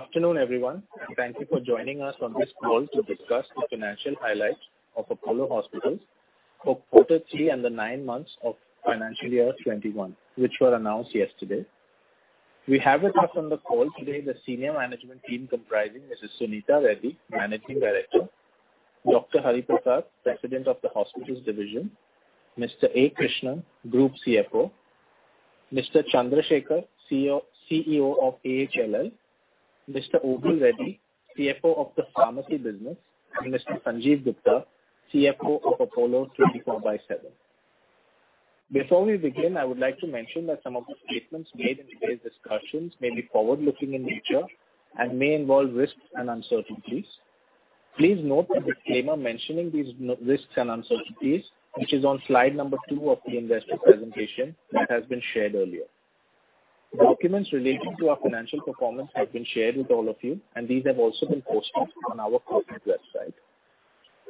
Afternoon, everyone. Thank you for joining us on this call to discuss the financial highlights of Apollo Hospitals for Quarter Three and the nine months of financial year 2021, which were announced yesterday. We have with us on the call today, the senior management team comprising Mrs. Suneeta Reddy, Managing Director, Dr. Hari Prasad, President of the Hospitals Division, Mr. A. Krishnan, Group CFO, Mr. Chandra Sekhar, CEO of AHLL, Mr. OB Reddy, CFO of the Pharmacy business, and Mr. Sanjiv Gupta, CFO of Apollo 24/7. Before we begin, I would like to mention that some of the statements made in today's discussions may be forward-looking in nature and may involve risks and uncertainties. Please note the disclaimer mentioning these risks and uncertainties, which is on slide number two of the investor presentation that has been shared earlier. Documents relating to our financial performance have been shared with all of you, and these have also been posted on our corporate website.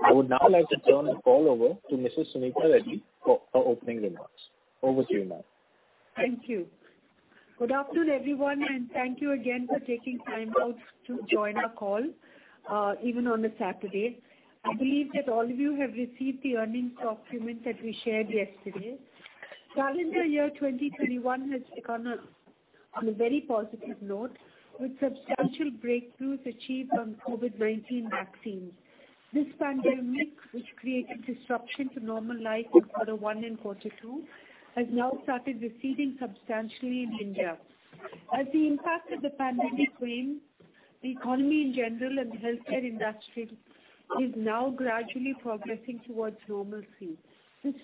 I would now like to turn the call over to Mrs. Suneeta Reddy for her opening remarks. Over to you, ma'am. Thank you. Good afternoon, everyone, and thank you again for taking time out to join our call, even on a Saturday. I believe that all of you have received the earnings document that we shared yesterday. Calendar year 2021 has begun on a very positive note, with substantial breakthroughs achieved on COVID-19 vaccines. This pandemic, which created disruption to normal life in Quarter 1 and Quarter 2, has now started receding substantially in India. As the impact of the pandemic wanes, the economy in general and the healthcare industry is now gradually progressing towards normalcy. This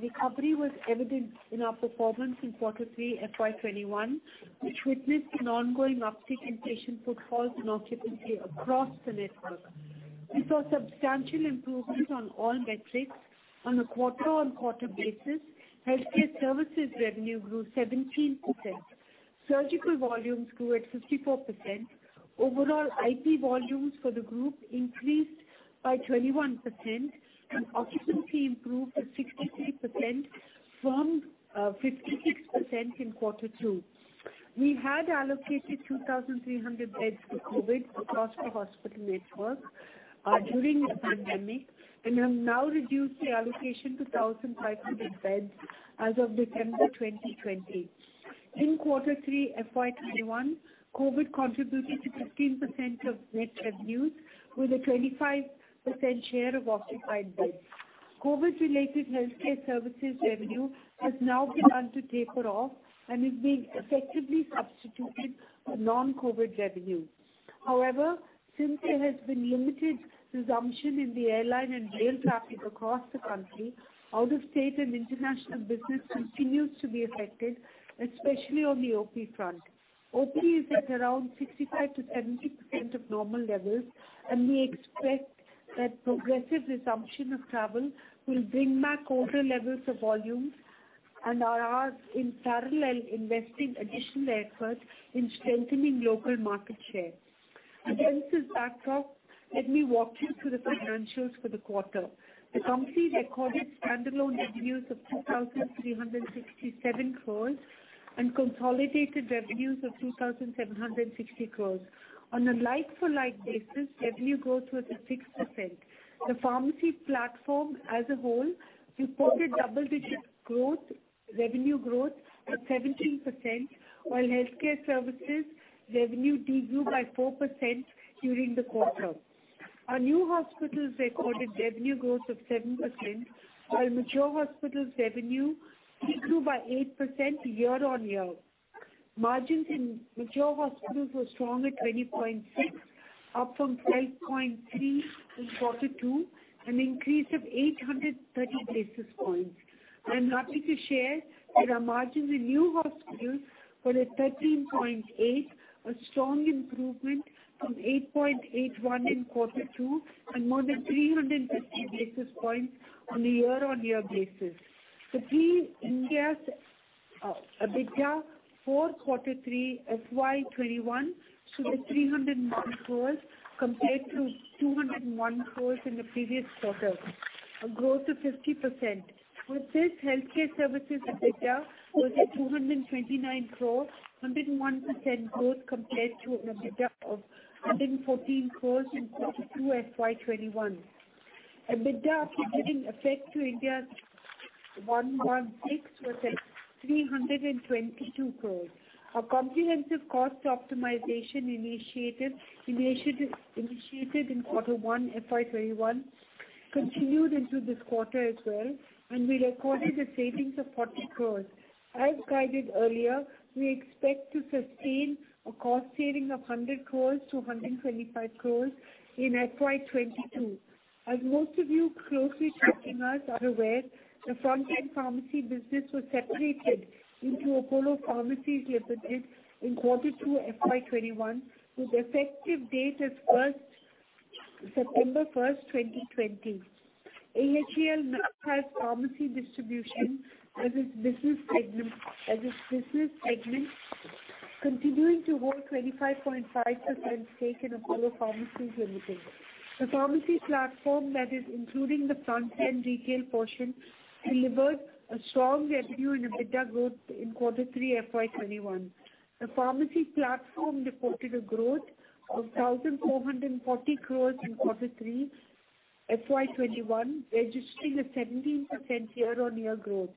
recovery was evident in our performance in Quarter 3 FY 2021, which witnessed an ongoing uptick in patient footfalls and occupancy across the network. We saw substantial improvements on all metrics. On a quarter-on-quarter basis, healthcare services revenue grew 17%. Surgical volumes grew at 54%. Overall, IP volumes for the group increased by 21%, and occupancy improved to 63% from 56% in Quarter Two. We had allocated 2,300 beds for COVID across the hospital network during the pandemic, and have now reduced the allocation to 1,500 beds as of December 2020. In Quarter Three FY 2021, COVID contributed to 15% of net revenues, with a 25% share of occupied beds. COVID-related healthcare services revenue has now begun to taper off and is being effectively substituted for non-COVID revenue. However, since there has been limited resumption in the airline and rail traffic across the country, out-of-state and international business continues to be affected, especially on the OP front. OP is at around 65%-70% of normal levels, and we expect that progressive resumption of travel will bring back older levels of volumes, and are in parallel investing additional effort in strengthening local market share. Against this backdrop, let me walk you through the financials for the quarter. The company recorded standalone revenues of 2,367 crores and consolidated revenues of 2,760 crores. On a like-for-like basis, revenue growth was at 6%. The pharmacy platform as a whole reported double-digit revenue growth of 17%, while healthcare services revenue de-grew by 4% during the quarter. Our new hospitals recorded revenue growth of 7%, while mature hospitals revenue de-grew by 8% year-on-year. Margins in mature hospitals were strong at 20.6%, up from 5.3% in Quarter Two, an increase of 830 basis points. I'm happy to share that our margins in new hospitals were at 13.8%, a strong improvement from 8.81% in Quarter Two, and more than 350 basis points on a year-on-year basis. Three, Ind AS EBITDA for Quarter 3 FY 2021 stood at INR 301 crores compared to 201 crores in the previous quarter, a growth of 50%. With this, healthcare services EBITDA was at 229 crores, 101% growth compared to an EBITDA of 114 crores in Quarter 2 FY 2021. EBITDA after giving effect to Ind AS 116 was at 322 crores. Our comprehensive cost optimization initiated in Quarter 1 FY 2021 continued into this quarter as well, and we recorded a savings of 40 crores. As guided earlier, we expect to sustain a cost saving of 100 crores-125 crores in FY 2022. As most of you closely tracking us are aware, the frontend pharmacy business was separated into Apollo Pharmacies Limited in Quarter 2 FY 2021, with effective date as September 1, 2020. AHEL now has pharmacy distribution as its business segment, continuing to hold 25.5% stake in Apollo Pharmacies Limited. The pharmacy platform that is including the front-end retail portion delivered a strong revenue and EBITDA growth in quarter three FY 2021. The pharmacy platform reported a growth of 1,440 crores in quarter three FY 2021, registering a 17% year-on-year growth.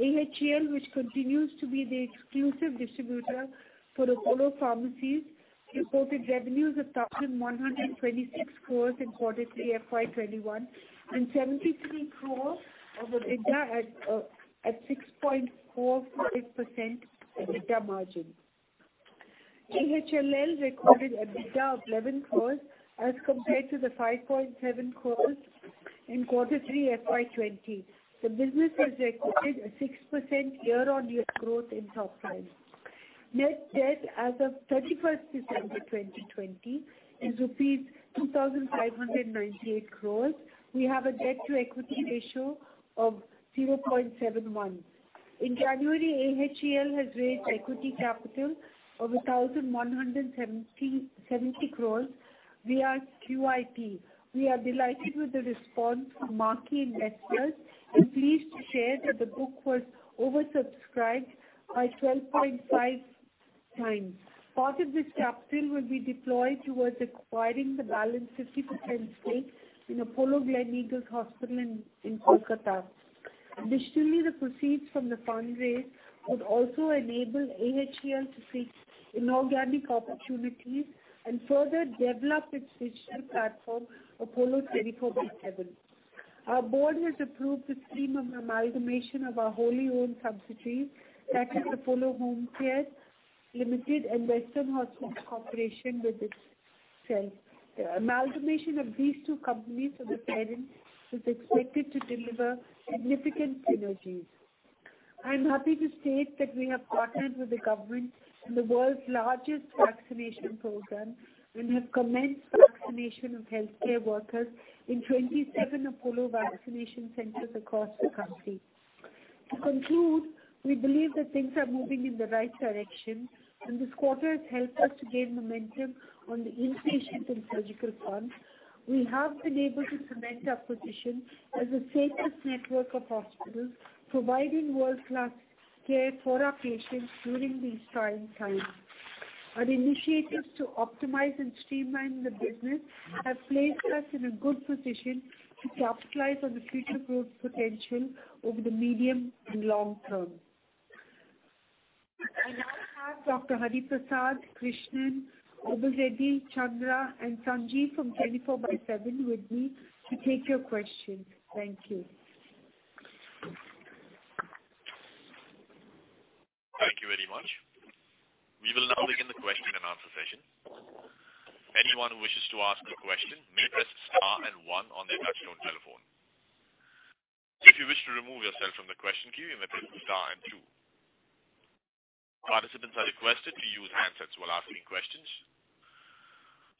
AHEL, which continues to be the exclusive distributor for Apollo Pharmacies, reported revenues of 1,126 crores in quarter three FY 2021, and 73 crores of EBITDA at 6.46% EBITDA margin. AHLL recorded EBITDA of 11 crores as compared to 5.7 crores in quarter three FY 2020. The business has recorded a 6% year-on-year growth in top line. Net debt as of 31st December 2020 is rupees 2,598 crores. We have a debt-to-equity ratio of 0.71. In January, AHEL has raised equity capital of 1,170 crores via QIP. We are delighted with the response from marquee investors and pleased to share that the book was oversubscribed by 12.5 times. Part of this capital will be deployed towards acquiring the balance 50% stake in Apollo Gleneagles Hospital in Kolkata. Additionally, the proceeds from the fund raised would also enable AHEL to seek inorganic opportunities and further develop its digital platform, Apollo 24x7. Our board has approved the scheme of amalgamation of our wholly-owned subsidiaries, that is Apollo Homecare Limited and Western Hospitals Corporation with itself. The amalgamation of these two companies with the parent is expected to deliver significant synergies. I am happy to state that we have partnered with the government in the world's largest vaccination program, and have commenced vaccination of healthcare workers in 27 Apollo vaccination centers across the country. To conclude, we believe that things are moving in the right direction, and this quarter has helped us to gain momentum on the inpatient and surgical front. We have been able to cement our position as the safest network of hospitals providing world-class care for our patients during these trying times. Our initiatives to optimize and streamline the business have placed us in a good position to capitalize on the future growth potential over the medium and long term. I now have Dr. Hari Prasad, Krishnan, Obul Reddy, Chandra, and Sanjiv from 24x7 with me to take your questions. Thank you. Thank you very much. We will now begin the question and answer session.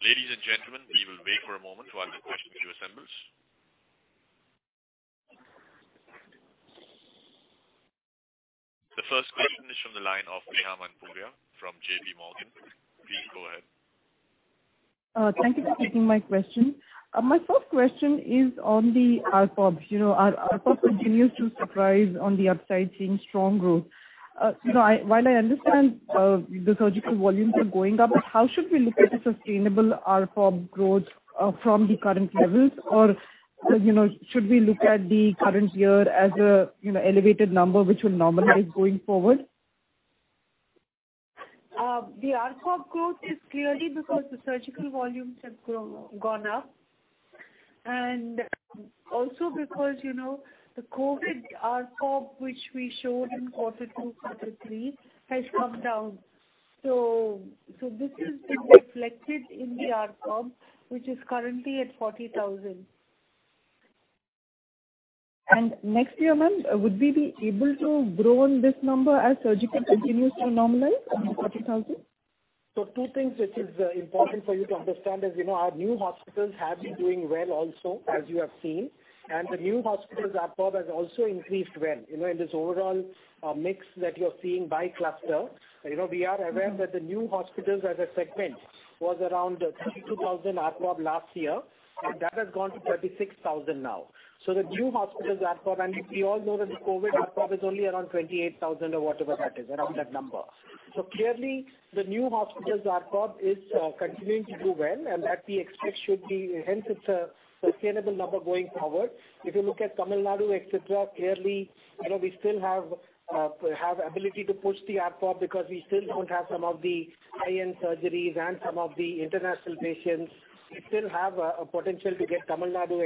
The first question is from the line of Neha Manpuria from J.P. Morgan. Please go ahead. Thank you for taking my question. My first question is on the ARPOB. Our ARPOB continues to surprise on the upside, seeing strong growth. While I understand the surgical volumes are going up, how should we look at the sustainable ARPOB growth from the current levels? Should we look at the current year as an elevated number which will normalize going forward? The ARPOB growth is clearly because the surgical volumes have gone up, also because the COVID ARPOB, which we showed in quarter two, quarter three, has come down. This has been reflected in the ARPOB, which is currently at 40,000. Next year, ma'am, would we be able to grow on this number as surgical continues to normalize on the 40,000? Two things which are important for you to understand is our new hospitals have been doing well also, as you have seen. The new hospitals ARPOB has also increased well. In this overall mix that you're seeing by cluster, we are aware that the new hospitals as a segment was around 32,000 ARPOB last year, and that has gone to 36,000 now. The new hospitals ARPOB, and we all know that the COVID ARPOB is only around 28,000 or whatever that is, around that number. Clearly, the new hospitals ARPOB is continuing to do well, and that we expect should be hence it's a sustainable number going forward. If you look at Tamil Nadu, et cetera, clearly, we still have ability to push the ARPOB because we still don't have some of the high-end surgeries and some of the international patients. We still have a potential to get Tamil Nadu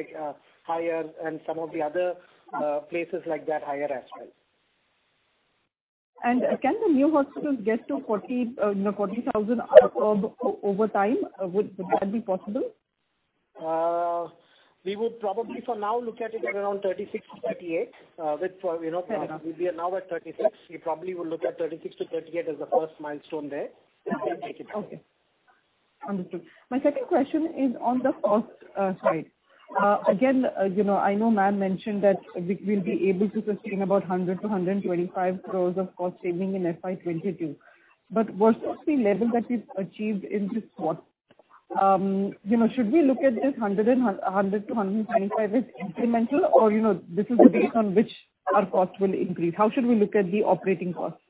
higher and some of the other places like that higher as well. Can the new hospitals get to 40,000 ARPOB over time? Would that be possible? We would probably for now look at it at around 36 or 38. We are now at 36. We probably will look at 36 to 38 as the first milestone there, and then take it up. Okay. Understood. My second question is on the cost side. Again, I know Ma'am mentioned that we'll be able to sustain about 100 crore to 125 crore of cost saving in FY 2022. What was the level that we've achieved in this quarter? Should we look at this 100 crore to 125 crore as incremental, or this is the base on which our cost will increase? How should we look at the operating costs?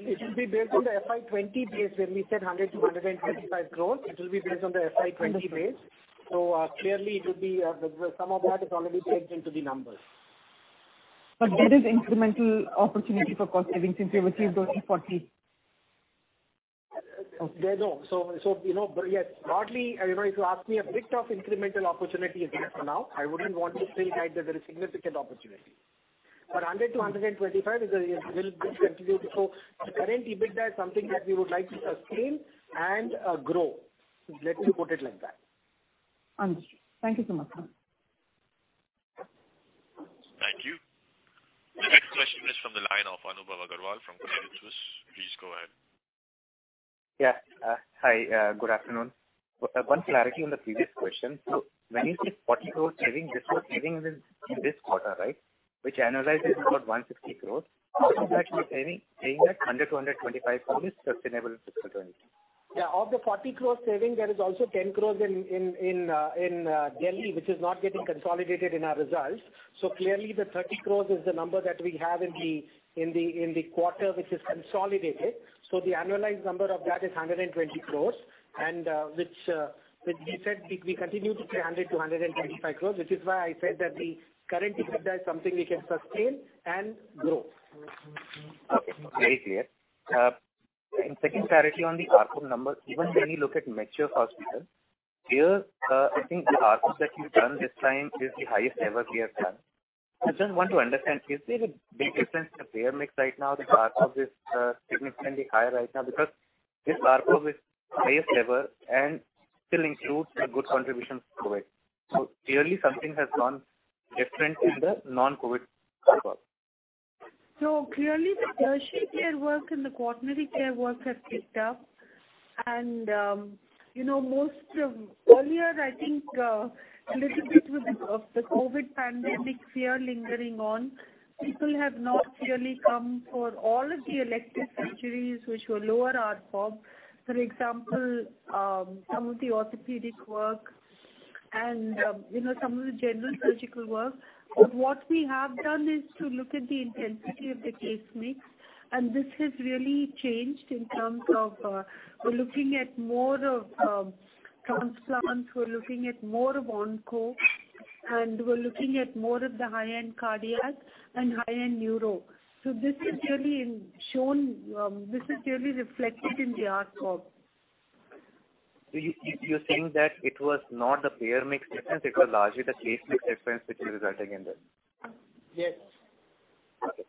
It should be based on the FY 2020 base when we said 100-125 crores. It will be based on the FY 2020 base. Clearly, some of that is already baked into the numbers. That is incremental opportunity for cost savings since we've achieved only 40. No. Yes, broadly, if you ask me a bit of incremental opportunity is there for now. I wouldn't want to still guide that there is significant opportunity. 100 to 125 will continue to show the current EBITDA is something that we would like to sustain and grow. Let me put it like that. Understood. Thank you so much. Thank you. The next question is from the line of Anubhav Agarwal from Credit Suisse. Please go ahead. Yeah. Hi, good afternoon. One clarity on the previous question. When you say 40 crore saving, this was saving in this quarter, right? Which annualized is about 160 crore. How is that saving, saying that 100 crore-125 crore is sustainable for 2023? Yeah. Of the 40 crore saving, there is also 10 crores in Delhi, which is not getting consolidated in our results. Clearly the 30 crores is the number that we have in the quarter, which is consolidated. The annualized number of that is 120 crores, and which we said we continue to say 100-125 crores. Which is why I said that the current EBITDA is something we can sustain and grow. Okay. Very clear. Second clarity on the ARPOB number. Even when you look at mature hospitals, here, I think the ARPOB that you've done this time is the highest ever we have done. I just want to understand, is there a big difference in the payer mix right now that ARPOB is significantly higher right now? This ARPOB is highest ever and still includes a good contribution from COVID. Clearly something has gone different in the non-COVID ARPOB. Clearly the tertiary care work and the quaternary care work have picked up. Earlier, I think a little bit of the COVID pandemic fear lingering on. People have not really come for all of the elective surgeries which were lower ARPOB. For example, some of the orthopedic work, and some of the general surgical work. What we have done is to look at the intensity of the case mix, and this has really changed in terms of, we're looking at more of transplants, we're looking at more of onco, and we're looking at more of the high-end cardiac and high-end neuro. This is really reflected in the ARPOB. You're saying that it was not the payer mix difference, it was largely the case mix difference which is resulting in this? Yes. Okay.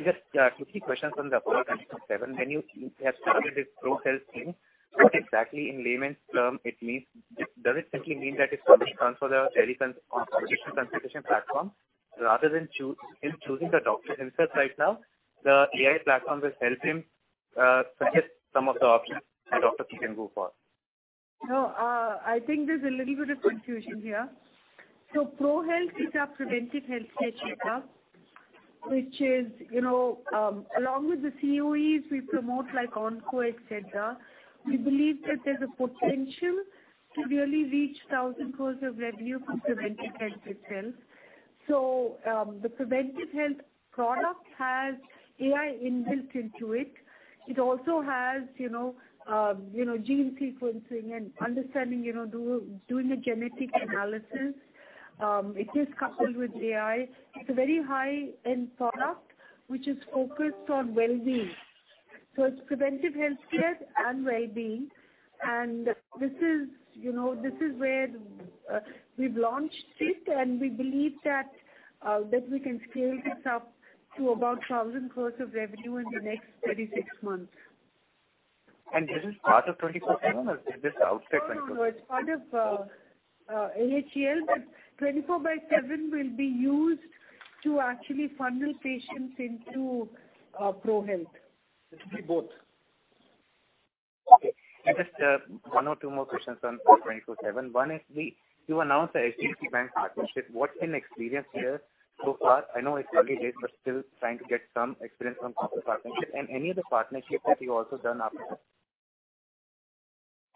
Just two, three questions on the Apollo 24|7. When you have started this ProHealth thing, what exactly in layman's terms it means? Does it simply mean that if someone comes for the teleconsultation platform, rather than him choosing the doctor himself right now, the AI platform will help him suggest some of the options the doctor can go for? No. I think there's a little bit of confusion here. ProHealth is our preventive healthcare checkup. Which is, along with the COEs we promote like onco, et cetera. We believe that there's a potential to really reach 1,000 crore of revenue from preventive healthcare itself. The preventive health product has AI inbuilt into it. It also has gene sequencing and understanding, doing a genetic analysis. It is coupled with AI. It's a very high-end product, which is focused on well-being. It's preventive healthcare and well-being, and this is where we've launched it, and we believe that we can scale this up to about 1,000 crore of revenue in the next 36 months. This is part of 24/7 or is this outside 24/7? No. It's part of AHLL, but 24|7 will be used to actually funnel patients into ProHealth. It will be both. Okay. Just one or two more questions on 24/7. One is you announced the HDFC Bank partnership. What's been experience here so far? I know it's early days, but still trying to get some experience on top of partnership. Any other partnerships that you've also done apart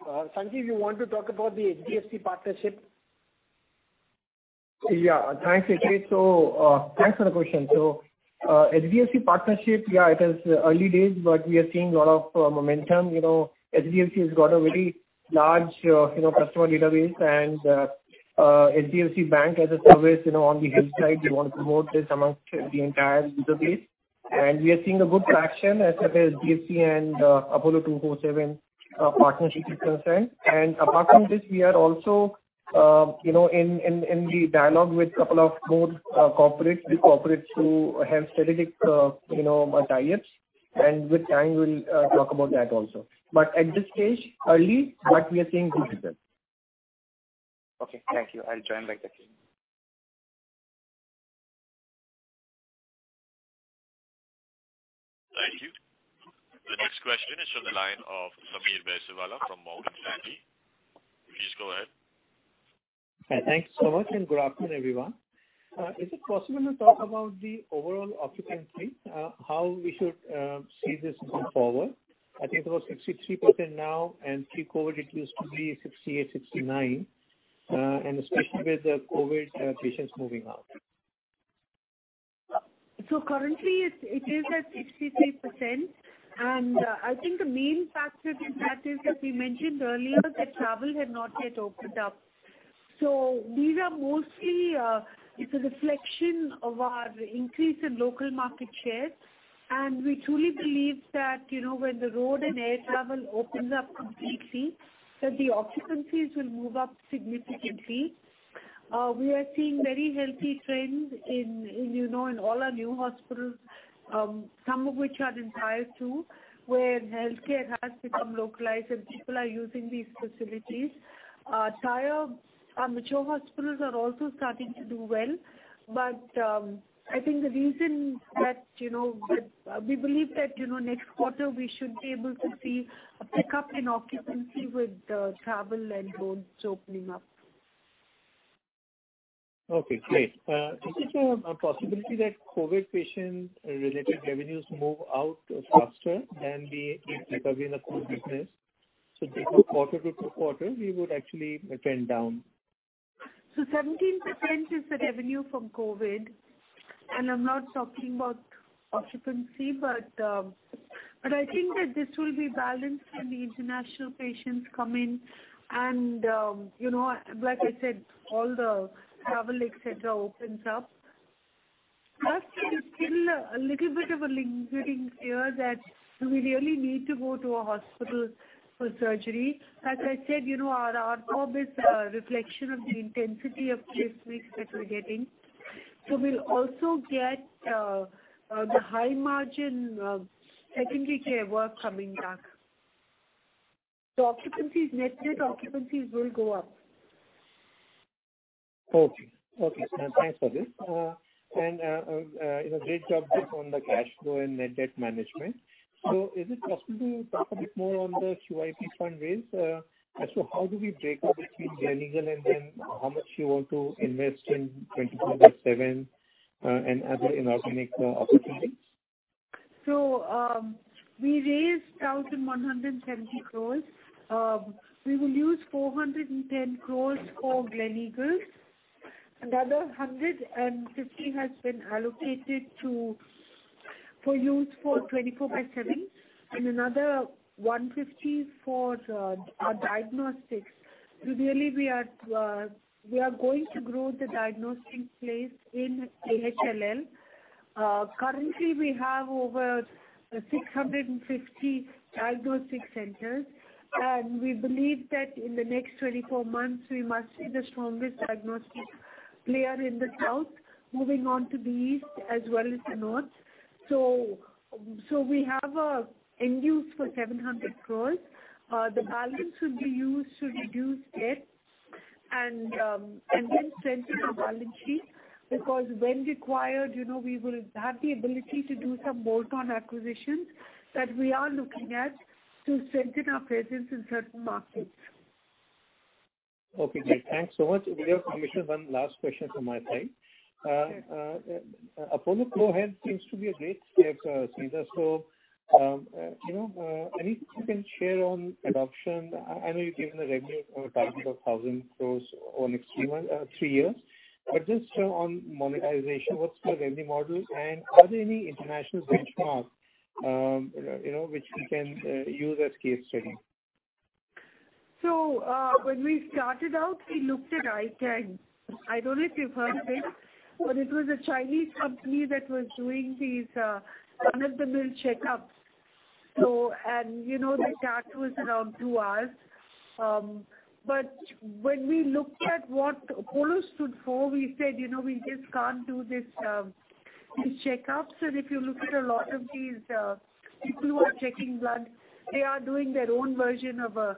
from this? Sanjiv, you want to talk about the HDFC partnership? Yeah. Thanks, Akrit. Thanks for the question. HDFC partnership, yeah, it is early days, but we are seeing a lot of momentum. HDFC has got a very large customer database, and HDFC Bank as a service on the health side, we want to promote this amongst the entire user base. We are seeing a good traction as far as HDFC and Apollo 24|7 partnership is concerned. Apart from this, we are also in the dialogue with couple of more corporates. The corporates who have strategic tie-ups, and with time we'll talk about that also. At this stage, early, but we are seeing good results. Okay. Thank you. I'll join back the queue. The line of Sameer Baisiwala from Morgan Stanley. Please go ahead. Thanks so much, and good afternoon, everyone. Is it possible to talk about the overall occupancy? How we should see this going forward? I think it was 63% now, and pre-COVID it used to be 68%-69%, especially with the COVID patients moving out. Currently it is at 63%, and I think the main factor in that is, as we mentioned earlier, that travel had not yet opened up. These are mostly a reflection of our increase in local market share. We truly believe that when the road and air travel opens up completely, that the occupancies will move up significantly. We are seeing very healthy trends in all our new hospitals, some of which are in Tier 2, where healthcare has become localized and people are using these facilities. Our mature hospitals are also starting to do well. I think the reason that we believe that next quarter we should be able to see a pickup in occupancy with travel and roads opening up. Okay, great. Is it a possibility that COVID patient-related revenues move out faster than the core business? Quarter to quarter, we would actually trend down. 17% is the revenue from COVID, and I'm not talking about occupancy. I think that this will be balanced when the international patients come in and like I said, all the travel, et cetera, opens up. Plus, there's still a little bit of a lingering fear that do we really need to go to a hospital for surgery? As I said, our ARPOB is a reflection of the intensity of case mix that we're getting. We'll also get the high-margin secondary care work coming back. Net occupancies will go up. Okay. Thanks for this. Great job on the cash flow and net debt management. Is it possible to talk a bit more on the QIP fundraise, as to how do we break up between Gleneagles and then how much you want to invest in 24 by 7 and other inorganic opportunities? We raised 1,170 crores. We will use 410 crores for Gleneagles. Another 150 crores has been allocated for use for 24 by 7, and another 150 crores for our diagnostics. Really we are going to grow the diagnostics place in AHLL. Currently we have over 650 diagnostic centers, and we believe that in the next 24 months, we must be the strongest diagnostics player in the South, moving on to the East as well as the North. We have in use for 700 crores. The balance will be used to reduce debt and strengthen the balance sheet. When required we will have the ability to do some bolt-on acquisitions that we are looking at to strengthen our presence in certain markets. Okay, great. Thanks so much. If we have permission, one last question from my side. Sure. Apollo ProHealth seems to be a great step, Seema. Anything you can share on adoption? I know you've given the revenue target of 1,000 crores on next three years. Just on monetization, what's the revenue model? Are there any international benchmarks which we can use as case study? When we started out, we looked at iKang. I don't know if you've heard of it. It was a Chinese company that was doing these run-of-the-mill checkups. The chart was around two hours. When we looked at what Apollo stood for, we said we just can't do these checkups. If you look at a lot of these people who are checking blood, they are doing their own version of a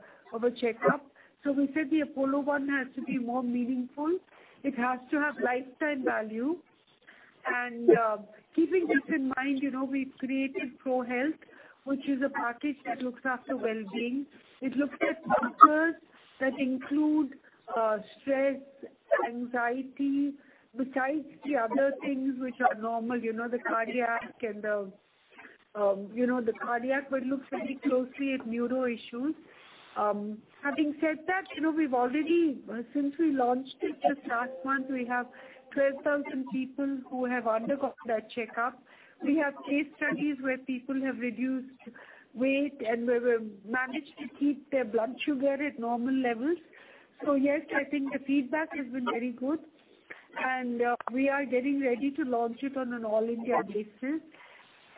checkup. We said the Apollo one has to be more meaningful. It has to have lifetime value. Keeping this in mind we've created ProHealth, which is a package that looks after well-being. It looks at markers that include stress, anxiety, besides the other things which are normal, the cardiac. Looks very closely at neuro issues. Having said that, since we launched it just last month, we have 12,000 people who have undergone their checkup. We have case studies where people have reduced weight and where we've managed to keep their blood sugar at normal levels. Yes, I think the feedback has been very good. We are getting ready to launch it on an all-India basis.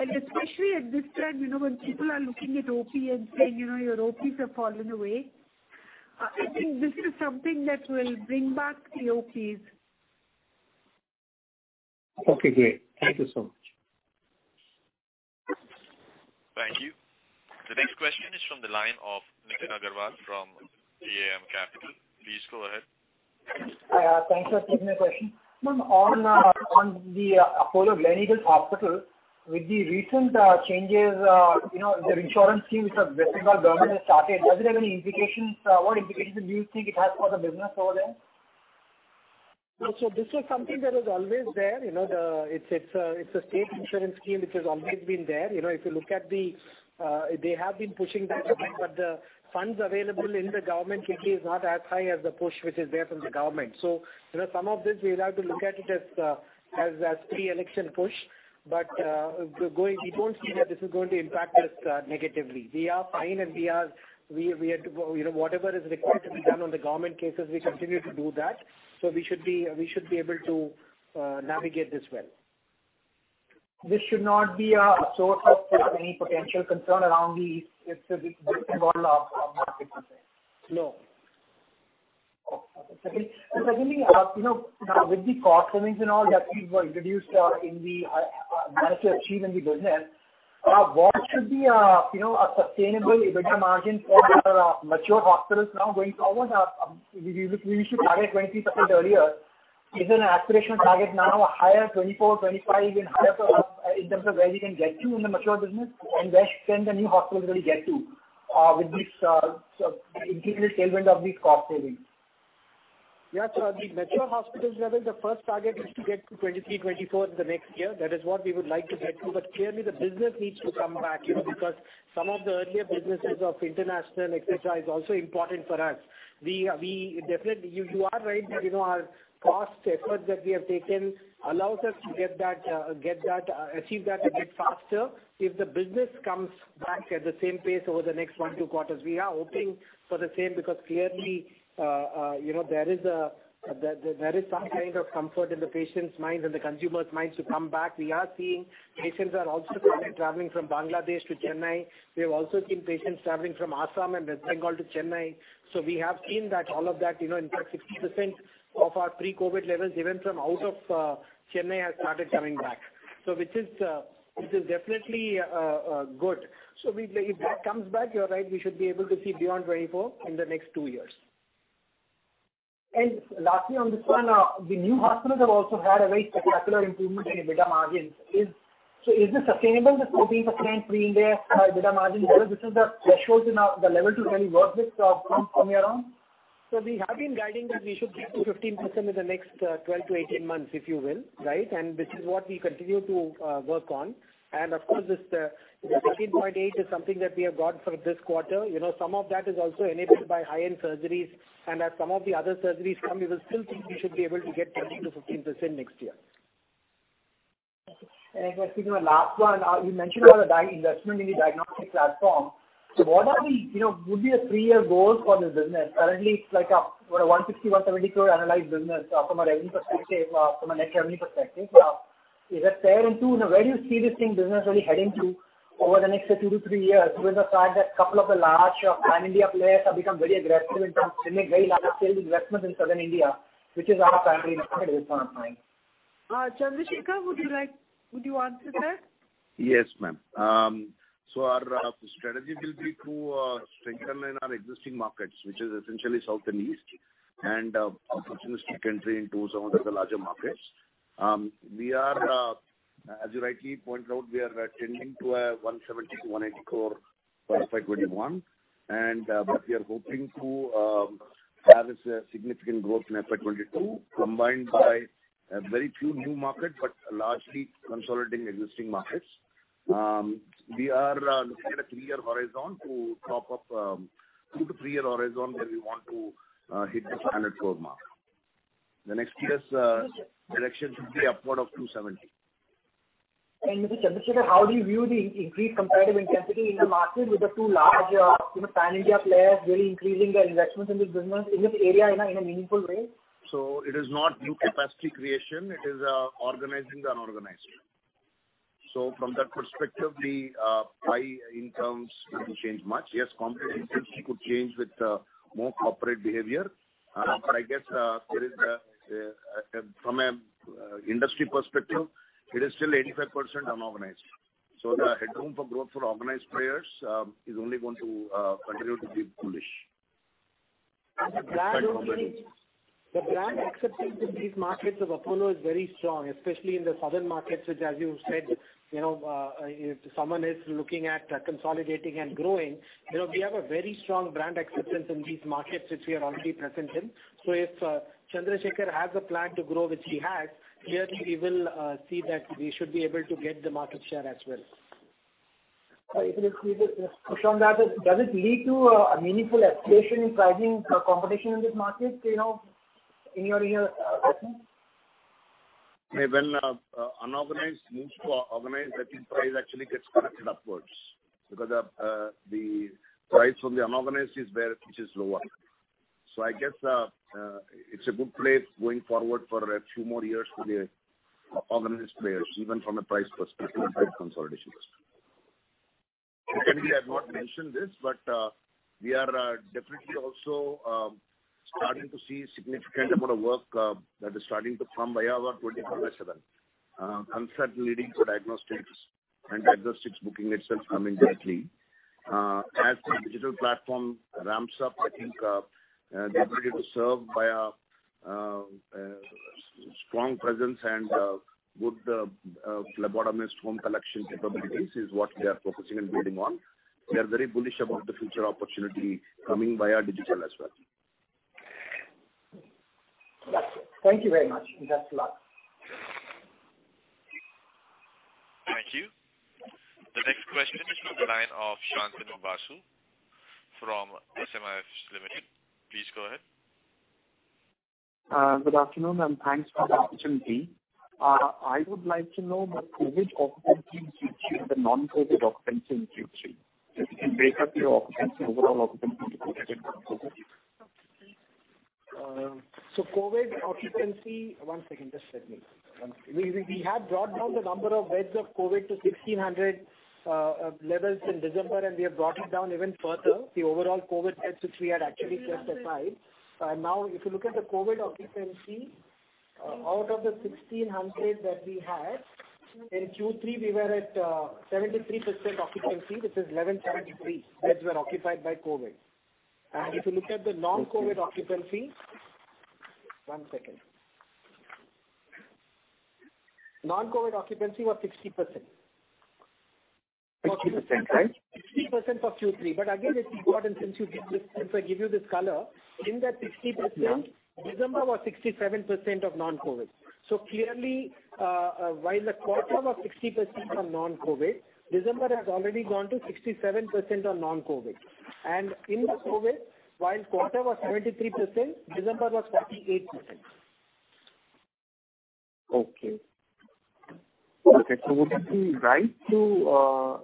Especially at this time when people are looking at OP and saying your ops have fallen away. I think this is something that will bring back the ops. Okay, great. Thank you so much. Thank you. The next question is from the line of Nikunj Agarwal from DAM Capital. Please go ahead. Thanks for taking my question. Ma'am, on the Apollo Gleneagles Hospital, with the recent changes, the insurance scheme which the West Bengal government has started, does it have any implications? What implications do you think it has for the business over there? This was something that was always there. It's a state insurance scheme, which has always been there. They have been pushing that, the funds available in the government kitty is not as high as the push which is there from the government. Some of this, we'll have to look at it as pre-election push. We don't see that this is going to impact us negatively. We are fine, whatever is required to be done on the government cases, we continue to do that. We should be able to navigate this well. This should not be a source of any potential concern around the West Bengal market share. No. Okay. Secondly, with the cost savings and all that we've introduced, managed to achieve in the business, what should be a sustainable EBITDA margin for our mature hospitals now going forward? We used to target 20% earlier. Is an aspirational target now higher 24%, 25%, even higher, sort of, in terms of where we can get to in the mature business? Where can the new hospitals really get to with this increased tailwind of these cost savings? Yeah. At the mature hospitals level, the first target is to get to 2023, 2024 in the next year. That is what we would like to get to. Clearly the business needs to come back, because some of the earlier businesses of international, et cetera, is also important for us. You are right that our cost effort that we have taken allows us to achieve that a bit faster if the business comes back at the same pace over the next one, two quarters. We are hoping for the same because clearly there is some kind of comfort in the patients' minds and the consumers' minds to come back. We are seeing patients are also coming, traveling from Bangladesh to Chennai. We have also seen patients traveling from Assam and West Bengal to Chennai. We have seen that all of that, in fact, 60% of our pre-COVID levels, even from out of Chennai, has started coming back, which is definitely good. If that comes back, you're right, we should be able to see beyond 24 in the next two years. Lastly on this one, the new hospitals have also had a very spectacular improvement in EBITDA margins. Is this sustainable, this 14.93% EBITDA margin level? This is the threshold, the level to really work with from here on. We have been guiding that we should get to 15% in the next 12 to 18 months, if you will. Right. This is what we continue to work on. Of course, this 13.8 is something that we have got for this quarter. Some of that is also enabled by high-end surgeries. As some of the other surgeries come, we still think we should be able to get close to 15% next year. If I speak my last one, you mentioned about the investment in the diagnostic platform. What would be your three-year goal for this business? Currently, it's like a 160 crore, 170 crore analyzed business from a net revenue perspective. Is that fair? Two, where do you see this same business really heading to over the next two to three years, given the fact that a couple of the large Pan-India players have become very aggressive in terms of making very large-scale investments in Southern India, which is our primary footprint at this point in time. Chandrasekar, would you answer that? Yes, ma'am. Our strategy will be to strengthen in our existing markets, which is essentially South and East, and opportunistic entry into some of the larger markets. As you rightly pointed out, we are tending to 170 crore to 180 crore for FY 2021. We are hoping to have a significant growth in FY 2022, combined by very few new market, but largely consolidating existing markets. We are looking at a three-year horizon two to three-year horizon where we want to hit the INR 100 crore mark. The next year's direction should be upward of 270 crore. Mr. Chandrasekar, how do you view the increased competitive intensity in the market with the two large Pan-India players really increasing their investments in this business, in this area in a meaningful way? It is not new capacity creation. It is organizing the unorganized. From that perspective, the pie in terms wouldn't change much. Yes, competitive intensity could change with more corporate behavior. I guess from an industry perspective, it is still 85% unorganized. The headroom for growth for organized players is only going to continue to be bullish. The brand acceptance in these markets of Apollo is very strong, especially in the southern markets, which, as you said, if someone is looking at consolidating and growing, we have a very strong brand acceptance in these markets which we are already present in. If Chandrasekar has a plan to grow, which he has, clearly we will see that we should be able to get the market share as well. If it is clear, Kushal, does it lead to a meaningful escalation in pricing competition in this market in your view? When unorganized moves to organized, I think price actually gets corrected upwards because the price from the unorganized is where it is lower. I guess it's a good place going forward for a few more years for the organized players, even from a price perspective and consolidation perspective. We have not mentioned this. We are definitely also starting to see significant amount of work that is starting to come by our 24|7, and certain leading diagnostics and diagnostics booking itself coming directly. As the digital platform ramps up, I think the ability to serve via strong presence and good phlebotomist home collection capabilities is what we are focusing and building on. We are very bullish about the future opportunity coming via digital as well. Got you. Thank you very much, and best of luck. Thank you. The next question is from the line of Shantanu Basu from SMIFS Limited. Please go ahead. Good afternoon. Thanks for the opportunity. I would like to know the COVID occupancy versus the non-COVID occupancy in Q3. If you can break up your overall occupancy into COVID and non-COVID. COVID occupancy. We had brought down the number of beds of COVID to 1,600 levels in December, and we have brought it down even further, the overall COVID beds, which we had actually classified. If you look at the COVID occupancy, out of the 1,600 that we had, in Q3, we were at 73% occupancy, which is 1,173 beds were occupied by COVID. Non-COVID occupancy was 60%. 60%, right? 60% for Q3. Again, it's important, since I give you this color, in that 60%, December was 67% of non-COVID. Clearly, while the quarter was 60% on non-COVID, December has already gone to 67% on non-COVID. In the COVID, while quarter was 23%, December was 48%. Okay. Would it be right to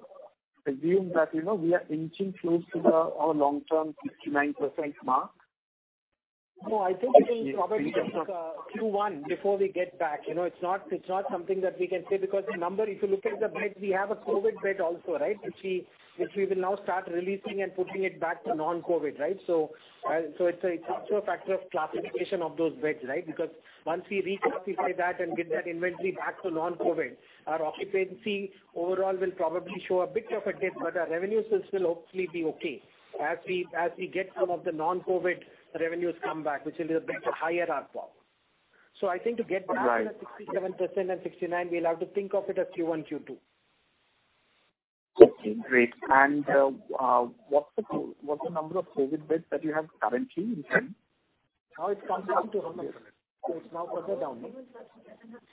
assume that we are inching close to our long-term 69% mark? No, I think it will probably take Q1 before we get back. It's not something that we can say, because the number, if you look at the beds, we have a COVID bed also, which we will now start releasing and putting it back to non-COVID. It's also a factor of classification of those beds. Because once we reclassify that and get that inventory back to non-COVID, our occupancy overall will probably show a bit of a dip, but our revenues will still hopefully be okay as we get some of the non-COVID revenues come back, which will bring a higher ARPOB. Right the 67% and 69, we'll have to think of it as Q1, Q2. Okay, great. What's the number of COVID beds that you have currently in hand? Now it's coming down to how much? It's now further down.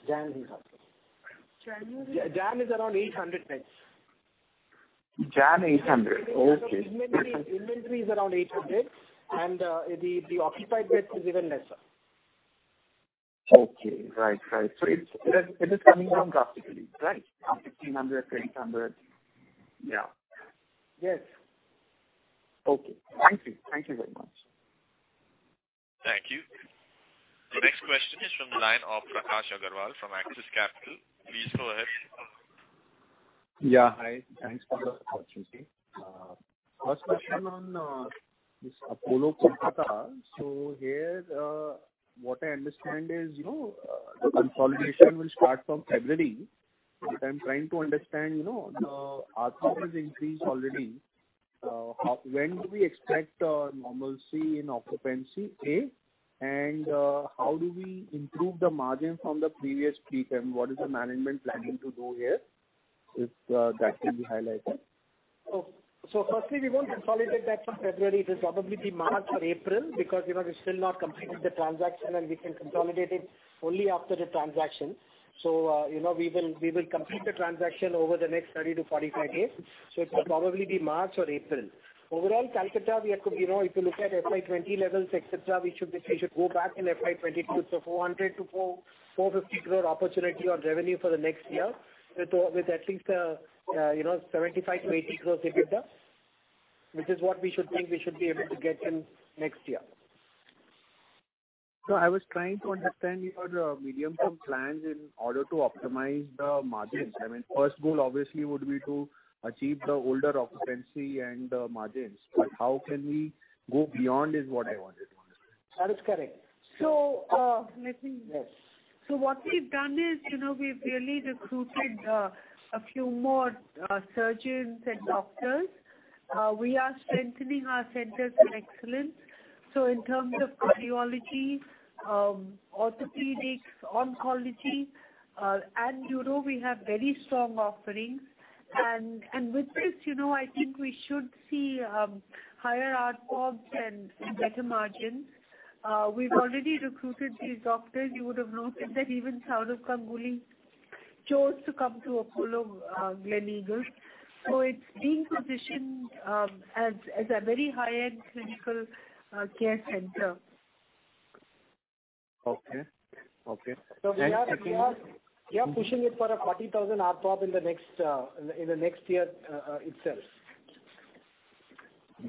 January, we have. January. Jan is around 800 beds. January, 800. Okay. Inventory is around 800. The occupied bed is even lesser. Okay. Right. It is coming down drastically, right? From 1,500, 2,000. Yeah. Yes. Okay. Thank you. Thank you very much. Thank you. The next question is from the line of Prakash Agarwal from Axis Capital. Please go ahead. Hi. Thanks for the opportunity. First question on this Apollo Kolkata. Here, what I understand is the consolidation will start from February. I'm trying to understand, the ARPOB has increased already. When do we expect normalcy in occupancy, A, and how do we improve the margin from the previous peak and what is the management planning to do here, if that can be highlighted. Firstly, we won't consolidate that from February. It will probably be March or April because we've still not completed the transaction and we can consolidate it only after the transaction. We will complete the transaction over the next 30 to 45 days. It will probably be March or April. Overall, Kolkata, if you look at FY 2020 levels, et cetera, we should go back in FY 2022 to 400 crore-450 crore opportunity on revenue for the next year, with at least 75 crore-80 crore EBITDA, which is what we think we should be able to get in next year. I was trying to understand your medium-term plans in order to optimize the margins. I mean, first goal obviously would be to achieve the older occupancy and margins. How can we go beyond is what I wanted to understand. That is correct. What we've done is we've really recruited a few more surgeons and doctors. We are strengthening our Centers of Excellence. In terms of cardiology, orthopedics, oncology, and neuro we have very strong offerings. With this, I think we should see higher ARPOBs and better margins. We've already recruited these doctors. You would have noted that even Sourav Ganguly chose to come to Apollo Gleneagles. It's being positioned as a very high-end clinical care center. Okay. We are pushing it for a 40,000 ARPOB in the next year itself.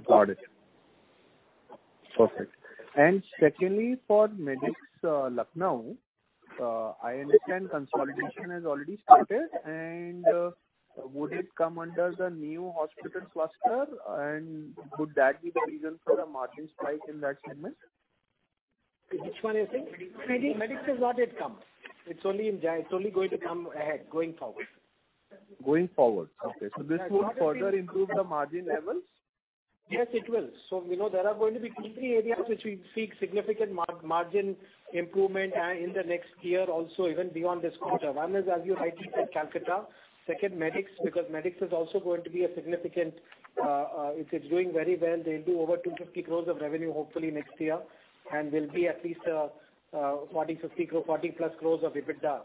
Got it. Perfect. Secondly, for Medics Lucknow, I understand consolidation has already started. Would it come under the new hospital cluster, and would that be the reason for the margin spike in that segment? Which one you're saying? Medics. Medics has not yet come. It's only going to come ahead going forward. Going forward. Okay. This would further improve the margin levels? Yes, it will. There are going to be 3 areas which we see significant margin improvement in the next year also, even beyond this quarter. One is, as you rightly said, Kolkata. Second, Medics, because Medics is also going to be significant. If it's doing very well, they'll do over 250 crores of revenue hopefully next year, and will be at least 40+ crores of EBITDA.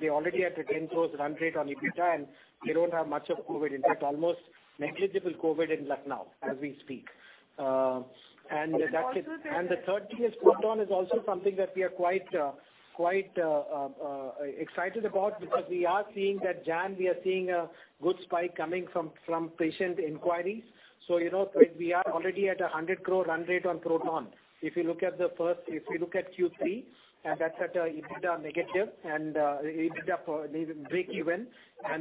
They're already at a 10 crores run rate on EBITDA, and they don't have much of COVID. In fact, almost negligible COVID in Lucknow as we speak. The third thing is Proton is also something that we are quite excited about because we are seeing that January, we are seeing a good spike coming from patient inquiries. We are already at 100 crore run rate on Proton. If you look at Q3, that's at a EBITDA negative and EBITDA break even.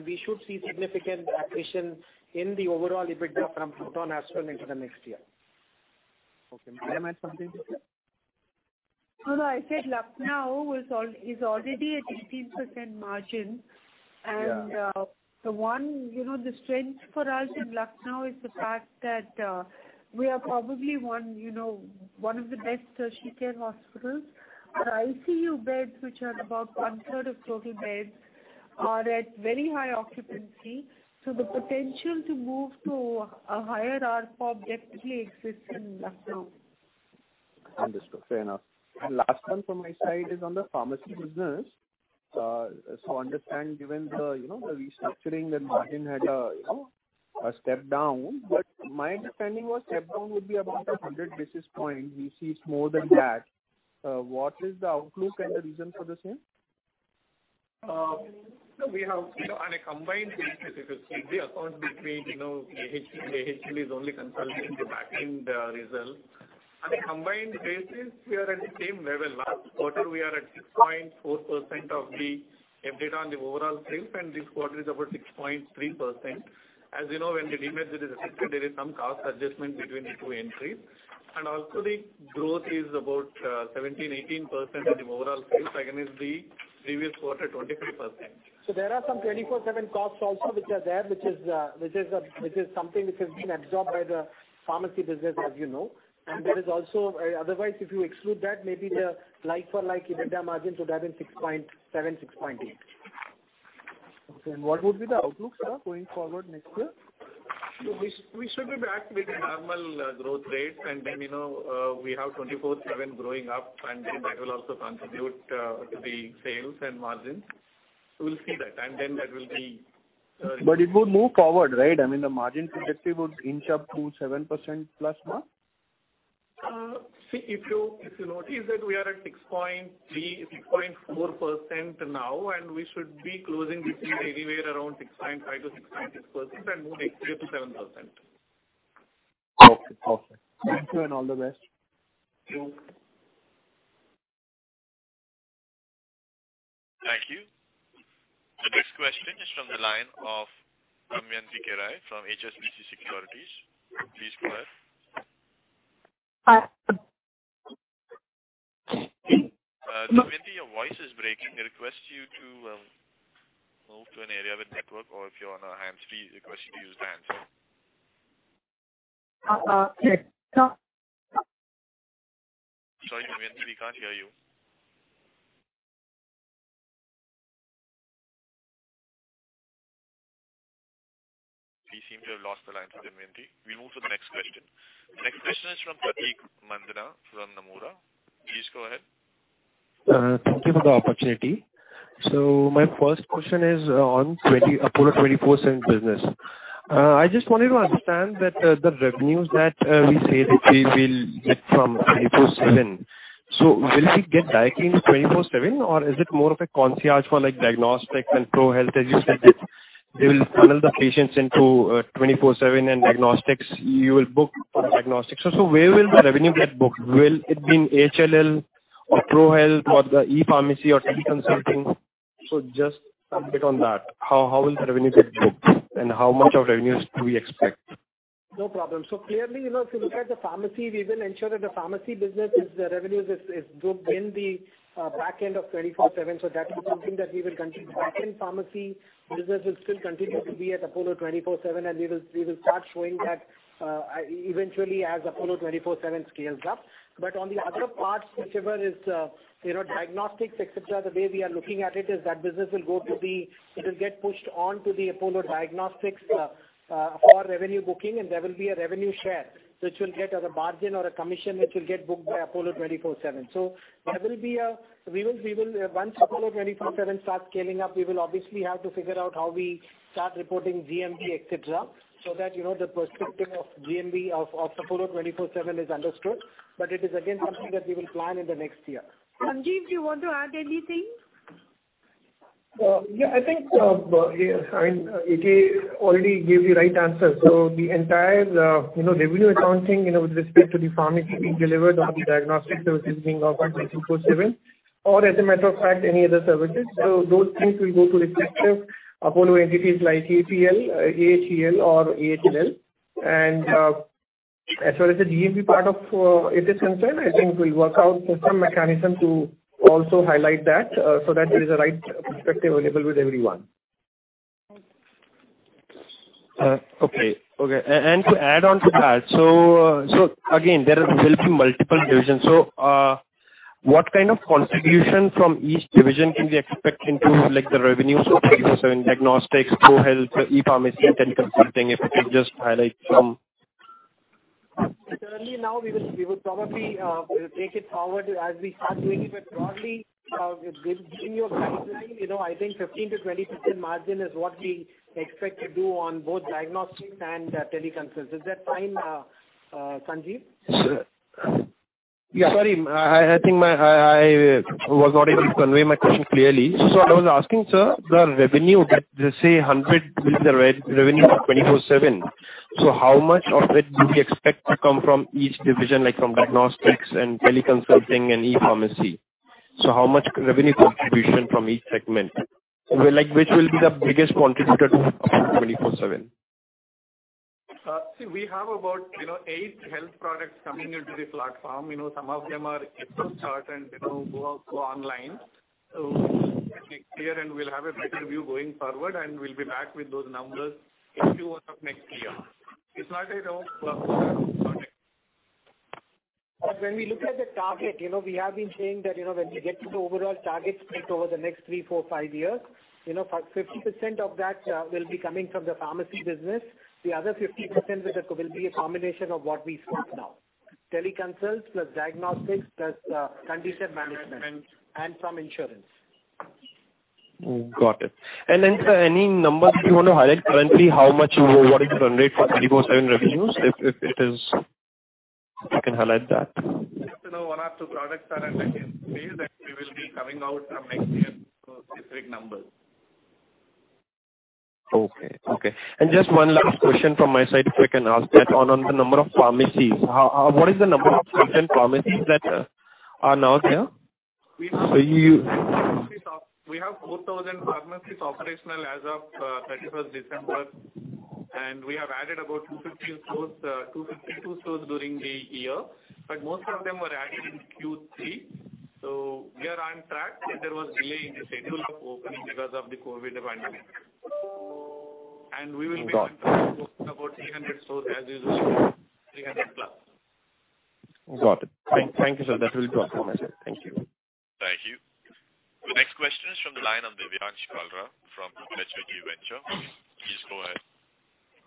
We should see significant accretion in the overall EBITDA from Proton as well into the next year. Okay. May I add something? Sure. No, I said Lucknow is already at 18% margin. Yeah. The strength for us in Lucknow is the fact that we are probably one of the best tertiary care hospitals. Our ICU beds, which are about one-third of total beds, are at very high occupancy. The potential to move to a higher ARPO definitely exists in Lucknow. Understood. Fair enough. Last one from my side is on the pharmacy business. I understand, given the restructuring, the margin had a step-down, but my understanding was step-down would be about 100 basis points. We see it's more than that. What is the outlook and the reason for the same? On a combined basis, if you see the accounts between AHLL is only consulting the back-end result. On a combined basis, we are at the same level. Last quarter, we are at 6.4% of the EBITDA on the overall sales, and this quarter is about 6.3%. As you know, when Dilip Med City is assisted, there is some cost adjustment between the two entries. The growth is about 17%, 18% of the overall sales against the previous quarter, 25%. There are some 24/7 costs also which are there, which is something which has been absorbed by the pharmacy business, as you know. Otherwise, if you exclude that, maybe the like-for-like EBITDA margin should have been 6.7%, 6.8%. Okay. What would be the outlook, sir, going forward next year? We should be back with normal growth rates. We have Apollo 24|7 growing up, that will also contribute to the sales and margins. We'll see that. It would move forward, right? I mean, the margin trajectory would inch up to 7% plus mark? If you notice that we are at 6.3%, 6.4% now, we should be closing between 6.5%-6.6% and move next year to 7%. Okay. Thank you. All the best. Thank you. Thank you. The next question is from the line of Damayanti Kerai from HSBC Securities. Please go ahead. Damayanti, your voice is breaking. I request you to move to an area with network or if you're on a hands-free, request you to use the hands-free. Sorry, Damayanti, we can't hear you. We seem to have lost the line for Damayanti. We move to the next question. Next question is from Prateek Mandhana from Nomura. Please go ahead. Thank you for the opportunity. My first question is on Apollo 24/7 business. I just wanted to understand that the revenues that we say that we will get from Apollo 24/7. Will we get directly into Apollo 24/7 or is it more of a concierge for diagnostics and Apollo ProHealth? As you said that they will funnel the patients into Apollo 24/7 and diagnostics, you will book for diagnostics. Where will the revenue get booked? Will it be in AHLL or Apollo ProHealth or the e-pharmacy or teleconsulting? Just update on that. How will the revenue get booked and how much of revenues do we expect? No problem. Clearly, if you look at the pharmacy, we will ensure that the pharmacy business revenues is booked in the back end of 24/7. That is something that we will continue. Back end pharmacy business will still continue to be at Apollo 24|7, we will start showing that eventually as Apollo 24|7 scales up. On the other parts, whichever is diagnostics, et cetera, the way we are looking at it is that business it will get pushed on to the Apollo Diagnostics for revenue booking, there will be a revenue share. It will get as a margin or a commission, which will get booked by Apollo 24|7. Once Apollo 24|7 starts scaling up, we will obviously have to figure out how we start reporting GMV, et cetera, so that the perspective of GMV of Apollo 24|7 is understood. It is again something that we will plan in the next year. Sanjiv, do you want to add anything? Yeah, I think AK already gave the right answer. The entire revenue accounting with respect to the pharmacy being delivered or the diagnostic services being offered by 24/7 or as a matter of fact, any other services. Those things will go to respective Apollo entities like APL, AHLL, or AHLL. As far as the GDP part of it is concerned, I think we'll work out some mechanism to also highlight that so that there is a right perspective available with everyone. Okay. To add on to that, again, there will be multiple divisions. What kind of contribution from each division can we expect into the revenues of 24|7 Diagnostics, ProHealth, ePharmacy, and consulting, if you could just highlight some? Currently now, we will probably take it forward as we start doing it. Broadly, within your guideline, I think 15%-20% margin is what we expect to do on both diagnostics and teleconsult. Is that fine, Sanjiv? Sorry, I think I was not able to convey my question clearly. What I was asking, sir, the revenue that they say 100 million revenue for Apollo 24|7. How much of it do we expect to come from each division, like from Apollo Diagnostics and teleconsulting and ePharmacy? How much revenue contribution from each segment? Which will be the biggest contributor to Apollo 24|7? We have about eight health products coming into the platform. Some of them are yet to start and go online. Next year, and we'll have a better view going forward, and we'll be back with those numbers Q1 of next year. It's not a product. When we look at the target, we have been saying that when we get to the overall target spread over the next three, four, five years, 50% of that will be coming from the pharmacy business. The other 50% will be a combination of what we spoke now. Teleconsults plus diagnostics plus condition management and some insurance. Got it. Then, sir, any numbers you want to highlight currently, how much you are running for Apollo 24|7 revenues? If you can highlight that. One or two products are in the phase that we will be coming out from next year with specific numbers. Okay. Just one last question from my side, if I can ask that on the number of pharmacies, what is the number of present pharmacies that are now there? We have 4,000 pharmacies operational as of 31st December, we have added about 252 stores during the year. Most of them were added in Q3. We are on track. There was delay in the schedule of opening because of the COVID environment. We will be opening about 300 stores as we speak, 300-plus. Got it. Thank you, sir. That will be all from my side. Thank you. Thank you. The next question is from the line of Vivansh Kalra from HSG Venture. Please go ahead.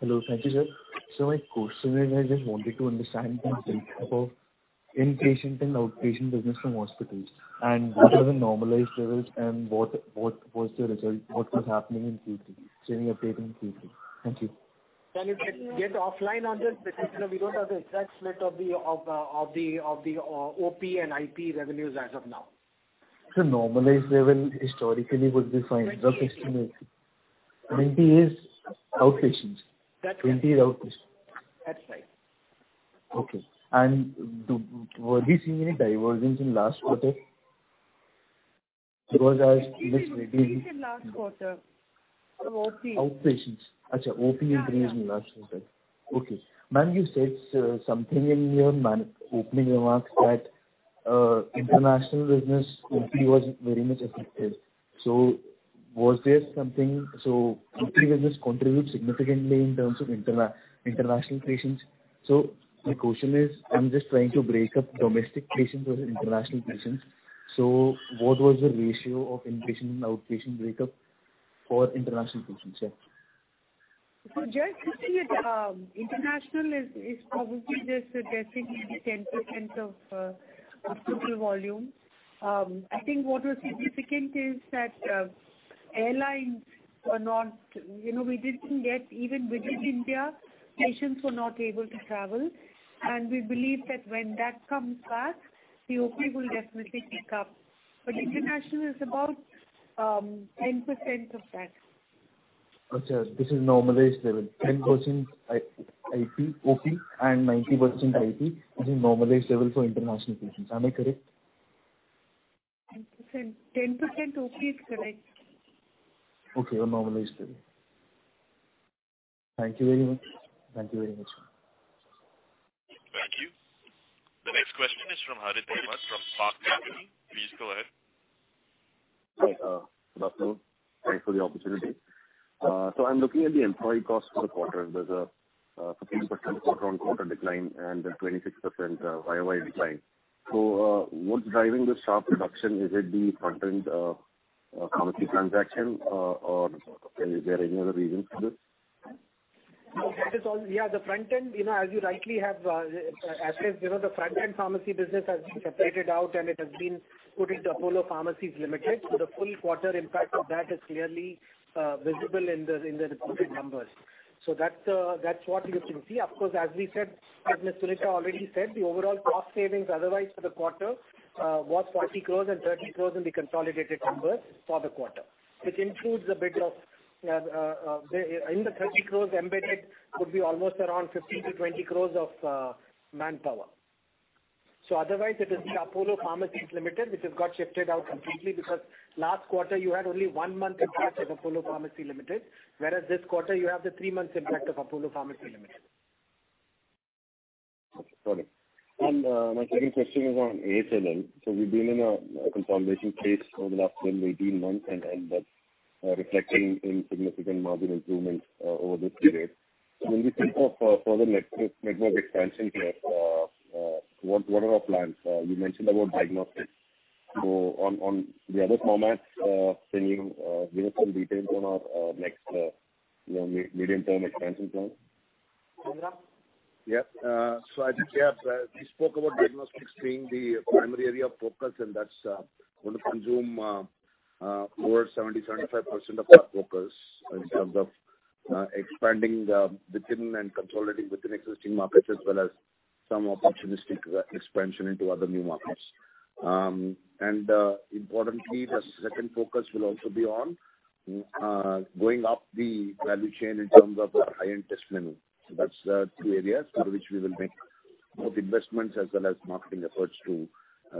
Hello. Thank you, sir. My question is, I just wanted to understand the split of inpatient and outpatient business from hospitals and what are the normalized levels and what was the result, what was happening in Q3? Any update in Q3? Thank you. Can we get offline on this because we don't have the exact split of the OP and IP revenues as of now. Sir, normalized level historically would be fine. Rough estimate. 20. 20 is outpatients. That's right. Okay. Were we seeing any divergence in last quarter? Decrease in last quarter of OP. Outpatients. Okay, OP increase in last quarter. Okay. Ma'am, you said something in your opening remarks that international business only was very much affected. OP business contributes significantly in terms of international patients. My question is, I'm just trying to break up domestic patients versus international patients. What was the ratio of inpatient and outpatient breakup for international patients, yeah. Just to see it, international is probably just less than maybe 10% of the total volume. I think what was significant is that we didn't get even within India, patients were not able to travel. We believe that when that comes back, the OP will definitely pick up. International is about 10% of that. Okay. This is normalized level, 10% IP, OP, and 90% IP is a normalized level for international patients. Am I correct? 10% OP is correct. Okay. A normalized level. Thank you very much. Thank you. The next question is from Harit Dhiman from Kotak Realty. Please go ahead. Good afternoon. Thanks for the opportunity. I'm looking at the employee cost for the quarter. There's a 15% quarter-on-quarter decline and a 26% year-over-year decline. What's driving the sharp reduction? Is it the front-end pharmacy transaction, or is there any other reason for this? Yeah, the front end, as you rightly have assessed, the front-end pharmacy business has been separated out, and it has been put into Apollo Pharmacies Limited. The full quarter impact of that is clearly visible in the reported numbers. That's what you can see. Of course, as we said, as Suneeta already said, the overall cost savings otherwise for the quarter was 40 crores and 30 crores in the consolidated numbers for the quarter. In the 30 crores embedded would be almost around 15-20 crores of manpower. otherwise it is the Apollo Pharmacy Limited, which has got shifted out completely because last quarter you had only one month impact of Apollo Pharmacy Limited, whereas this quarter you have the 3 months impact of Apollo Pharmacy Limited. Okay, got it. My second question is on ALM. We've been in a consolidation phase over the last 18 months, and that's reflecting in significant margin improvements over this period. When we think of further network expansion here, what are our plans? You mentioned about diagnostics. On the other formats, can you give us some detail on our next medium-term expansion plan? Chandra? Yeah. We spoke about diagnostics being the primary area of focus, and that's going to consume over 70%, 75% of our focus in terms of expanding within and consolidating within existing markets, as well as some opportunistic expansion into other new markets. Importantly, the second focus will also be on going up the value chain in terms of our high-end test menu. That's two areas through which we will make both investments as well as marketing efforts to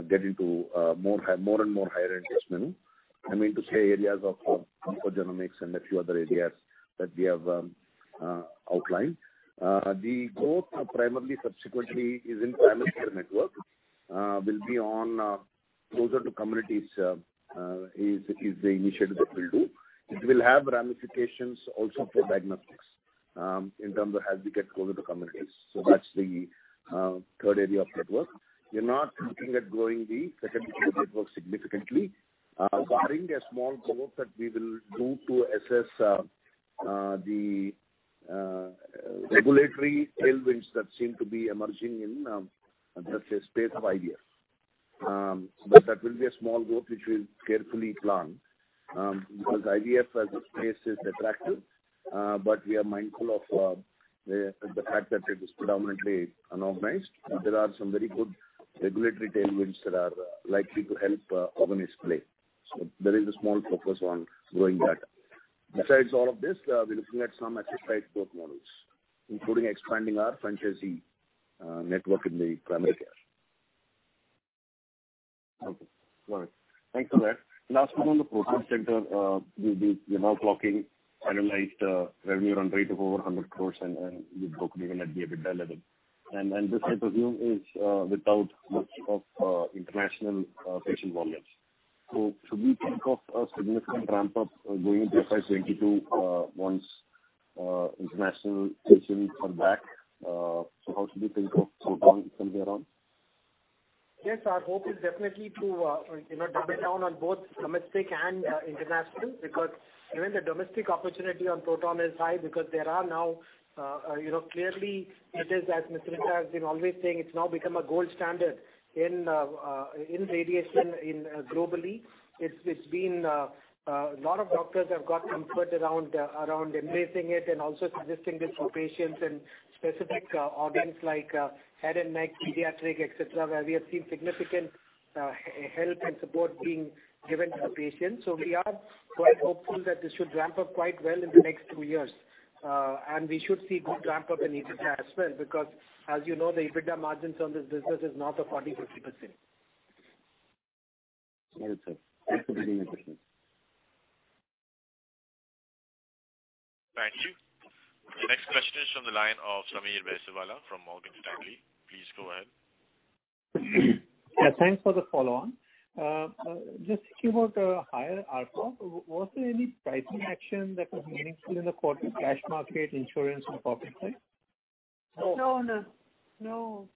get into more and more higher-end test menu. I mean, to say areas of genomics and a few other areas that we have outlined. The growth primarily subsequently is in primary care network, will be on closer to communities is the initiative that we'll do. It will have ramifications also for diagnostics in terms of as we get closer to communities. That's the third area of network. We are not looking at growing the secondary care network significantly, barring a small growth that we will do to assess the regulatory tailwinds that seem to be emerging in, let's say, space of IVF. That will be a small growth, which we will carefully plan. IVF as a space is attractive, but we are mindful of the fact that it is predominantly unorganized. There are some very good regulatory tailwinds that are likely to help organize play. There is a small focus on growing that. Besides all of this, we are looking at some exercise growth models, including expanding our franchisee network in the primary care. Okay, got it. Thanks for that. Last one on the Proton Centre. You're now clocking annualized revenue run rate of over 100 crores and you broke even at the EBITDA level. This, I presume, is without much of international patient volumes. Should we think of a significant ramp-up going into FY 2022 once international patients come back? How should we think of Proton from here on? Our hope is definitely to double down on both domestic and international. Even the domestic opportunity on proton is high, because clearly it is, as Mr. Nitin has been always saying, it's now become a gold standard in radiation globally. A lot of doctors have got comfort around embracing it and also suggesting this for patients and specific audience like head and neck, pediatric, et cetera, where we have seen significant help and support being given to the patient. We are quite hopeful that this should ramp up quite well in the next two years. We should see good ramp-up in EBITDA as well, because as you know, the EBITDA margins on this business is north of 40%, 50%. Got it, sir. Thanks for being in touch with me. Thank you. The next question is from the line of Sameer Baisiwala from Morgan Stanley. Please go ahead. Yeah, thanks for the follow-on. Just thinking about the higher ARPO, was there any pricing action that was meaningful in the quarter, cash market, insurance and corporate side? No. No.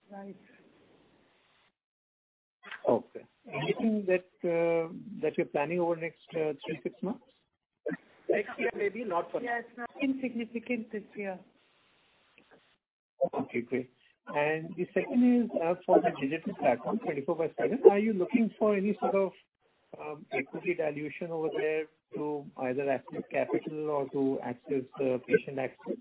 Okay. Anything that you're planning over next three, six months? Next year maybe, not for now. Yes. Insignificant this year. Okay, great. The second is for the digital platform, 24 by 7. Are you looking for any sort of equity dilution over there to either raise new capital or to access patient access?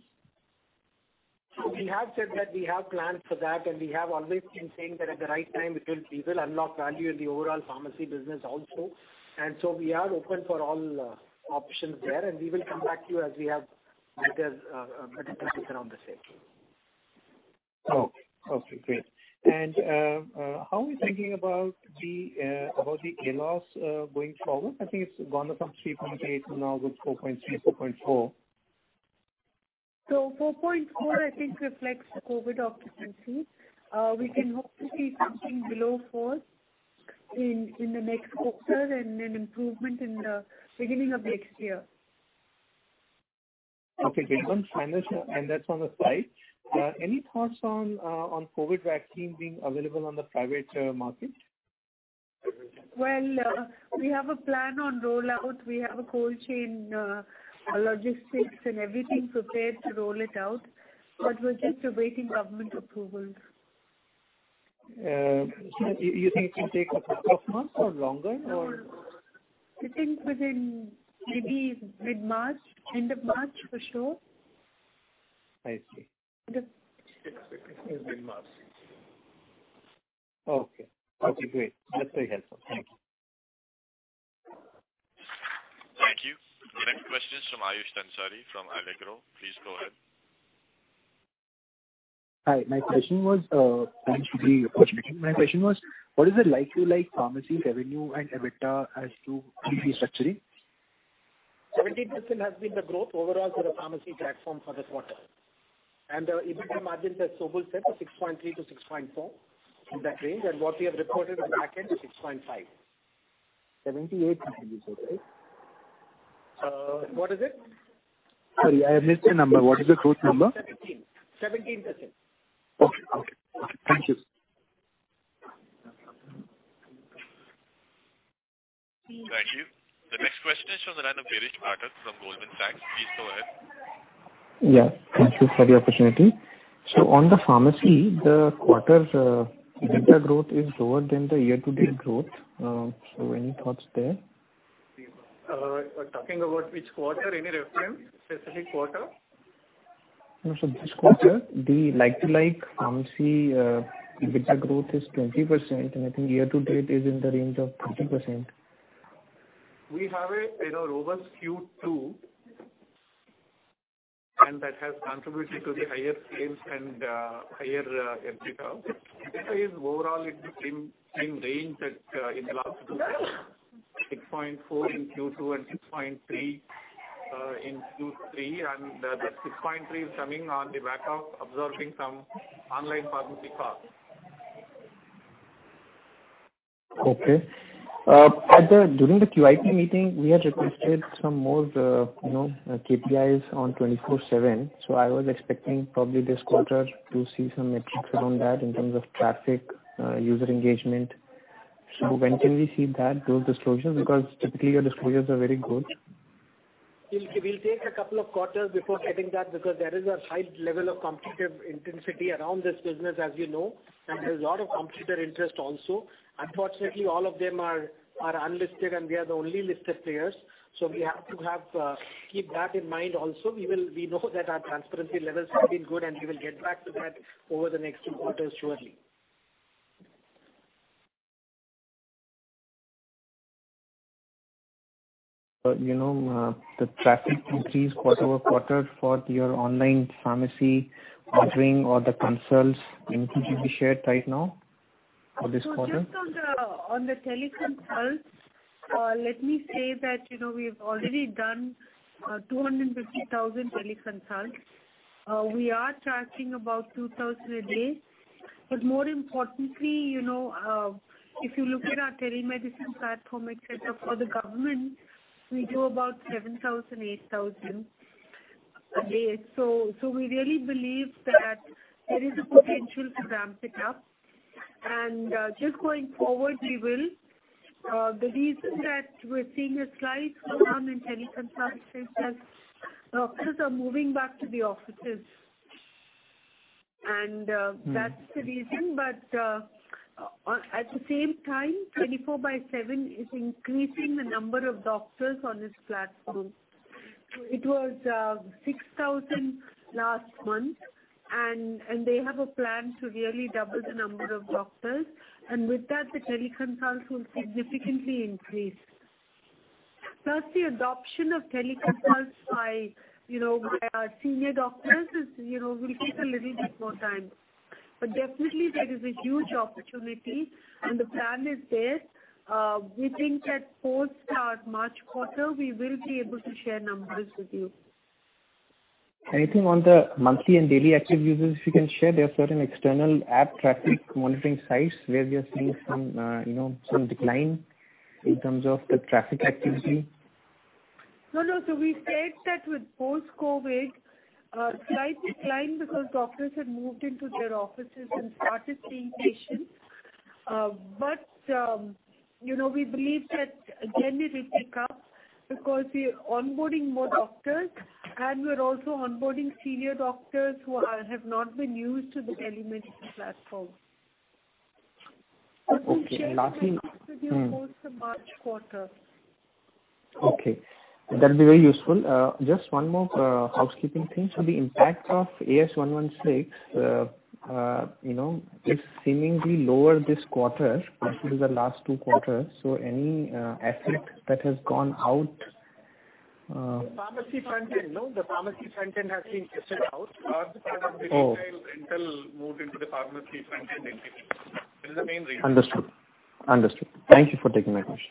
We have said that we have plans for that, and we have always been saying that at the right time it will unlock value in the overall pharmacy business also. So we are open for all options there, and we will come back to you as we have better clarity around the same. Okay, great. How are you thinking about the ALOS going forward? I think it's gone up from 3.8 to now good 4.3, 4.4. 4.4, I think reflects the COVID occupancy. We can hope to see something below four in the next quarter and an improvement in the beginning of next year. Okay, great. That's on the side. Any thoughts on COVID vaccine being available on the private market? Well, we have a plan on rollout. We have a cold chain, logistics, and everything prepared to roll it out, but we're just awaiting government approval. You think it can take a couple of months or longer? I think within maybe mid-March, end of March for sure. I see. Yes. Mid-March. Okay. Okay, great. That's very helpful. Thank you. Ayush Pansari from Allegro. Please go ahead. Hi. Thanks for the opportunity. My question was, what is it like you like pharmacy revenue and EBITDA as to de-structuring? 17% has been the growth overall for the pharmacy platform for this quarter. The EBITDA margin, as Sobhu said, was 6.3 to 6.4, in that range. What we have reported on the back end is 6.5. 78, you said, right? What is it? Sorry, I missed the number. What is the growth number? 17%. Okay. Thank you. Thank you. The next question is from the line of Girish Bhat from Goldman Sachs. Please go ahead. Thank you for the opportunity. On the pharmacy, the quarter's EBITDA growth is lower than the year-to-date growth. Any thoughts there? You're talking about which quarter? Any reference, specific quarter? No, this quarter, the like-to-like pharmacy EBITDA growth is 20%, and I think year to date is in the range of 15%. We have a robust Q2, and that has contributed to the higher sales and higher EBITDA. This is overall in the same range that in the last two quarters, 6.4 in Q2 and 6.3 in Q3. The 6.3 is coming on the back of absorbing some online pharmacy costs. Okay. During the QIP meeting, we had requested some more KPIs on 24/7, so I was expecting probably this quarter to see some metrics around that in terms of traffic, user engagement. When can we see those disclosures? Because typically your disclosures are very good. We'll take a couple of quarters before getting that because there is a high level of competitive intensity around this business, as you know, and there's a lot of competitor interest also. Unfortunately, all of them are unlisted, and we are the only listed players. We have to keep that in mind also. We know that our transparency levels have been good, and we will get back to that over the next two quarters shortly. The traffic increase quarter-over-quarter for your online pharmacy offering or the consults, can it be shared right now for this quarter? Just on the teleconsults, let me say that we've already done 250,000 teleconsults. We are tracking about 2,000 a day. More importantly, if you look at our telemedicine platform setup for the government, we do about 7,000, 8,000 a day. We really believe that there is a potential to ramp it up. Just going forward, we will. The reason that we're seeing a slight slowdown in teleconsults is that doctors are moving back to the offices. That's the reason. At the same time, Apollo 24|7 is increasing the number of doctors on this platform. It was 6,000 last month, and they have a plan to really double the number of doctors, and with that, the teleconsults will significantly increase. Plus the adoption of teleconsults by our senior doctors will take a little bit more time. Definitely there is a huge opportunity and the plan is there. We think that post our March quarter, we will be able to share numbers with you. Anything on the monthly and daily active users you can share? There are certain external app traffic monitoring sites where we are seeing some decline in terms of the traffic activity. No. We said that with post-COVID, a slight decline because doctors had moved into their offices and started seeing patients. We believe that again it will pick up because we are onboarding more doctors, and we're also onboarding senior doctors who have not been used to the telemedicine platform. Okay. We will share numbers with you post the March quarter. Okay. That'd be very useful. Just one more housekeeping thing. The impact of AS116, it's seemingly lower this quarter as it is the last two quarters. Any asset that has gone out- Pharmacy front end. The pharmacy front end has been shifted out. Part of the retail intel moved into the pharmacy front end entity. That is the main reason. Understood. Thank you for taking my question.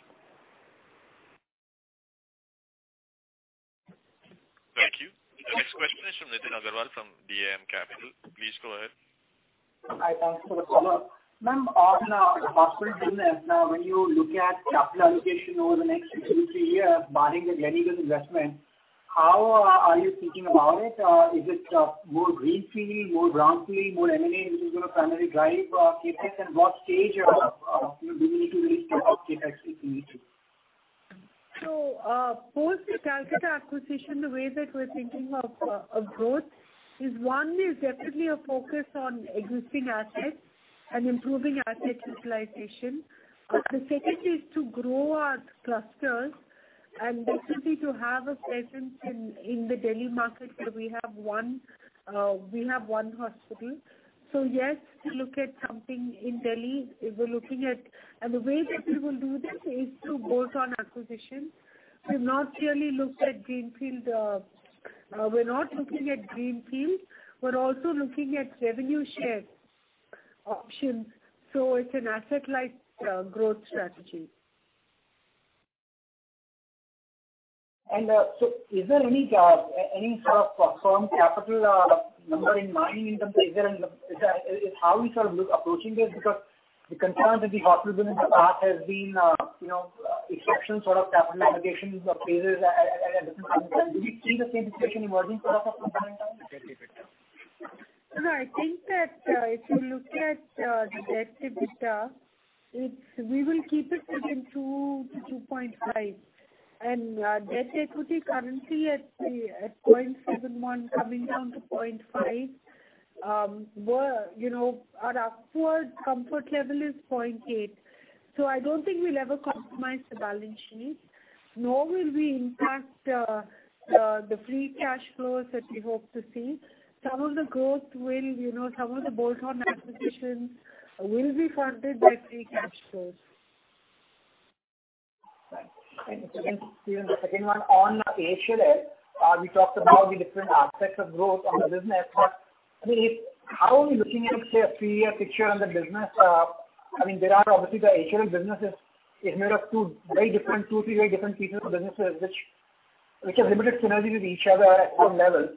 Thank you. The next question is from Akhilesh Gupta of DAM Capital. Please go ahead. Hi, thanks for the call. Ma'am, on the hospital business, when you look at capital allocation over the next two, three years, barring the Gleneagles investment, how are you thinking about it? Is it more greenfield, more brownfield, more M&A, which is your primary drive CapEx? What stage are you looking to reach your CapEx investment? Post the Kolkata acquisition, the way that we're thinking of growth is one is definitely a focus on existing assets and improving asset utilization. The second is to grow our clusters and basically to have a presence in the Delhi market where we have one hospital. Yes, we look at something in Delhi. The way that we will do this is through bolt-on acquisitions. We've not clearly looked at greenfield. We're not looking at greenfield. We're also looking at revenue share options. It's an asset-light growth strategy. Is there any sort of firm capital number in mind in terms of how we sort of approaching this? Because the concern with the hospital business in the past has been exceptional sort of capital navigation phases at different points in time. Do we see the same discussion emerging for us at some point in time? I think that if you look at the debt to EBITDA, we will keep it within 2 to 2.5 and debt-equity currently at 0.71 coming down to 0.5. Our upward comfort level is 0.8. I don't think we'll ever compromise the balance sheet, nor will we impact the free cash flows that we hope to see. Some of the bolt-on acquisitions will be funded by free cash flows. Right. The second one on AHLL. We talked about the different aspects of growth on the business, but how are we looking at, say, a three-year picture on the business? There are obviously the AHLL businesses is made of two or three very different pieces of businesses which have limited synergies with each other at one level.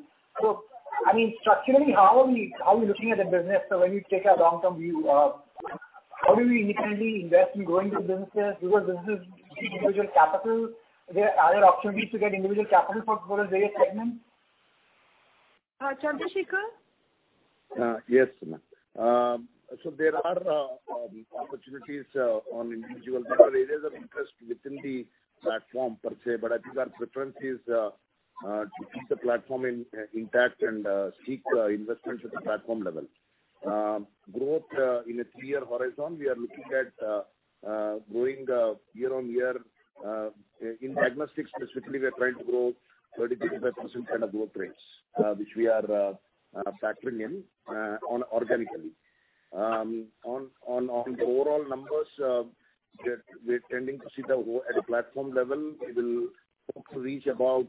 Structurally, how are we looking at the business when we take a long-term view? How do we independently invest in growing those businesses? Do those businesses need individual capital? Are there opportunities to get individual capital for those various segments? Chandrasekar. Yes, ma'am. There are opportunities on individual different areas of interest within the platform per se, but I think our preference is to keep the platform intact and seek investments at the platform level. Growth in a three-year horizon, we are looking at growing year-on-year. In diagnostics specifically, we are trying to grow 30%-35% kind of growth rates, which we are factoring in organically. On the overall numbers, we're tending to see at the platform level, we will hope to reach about,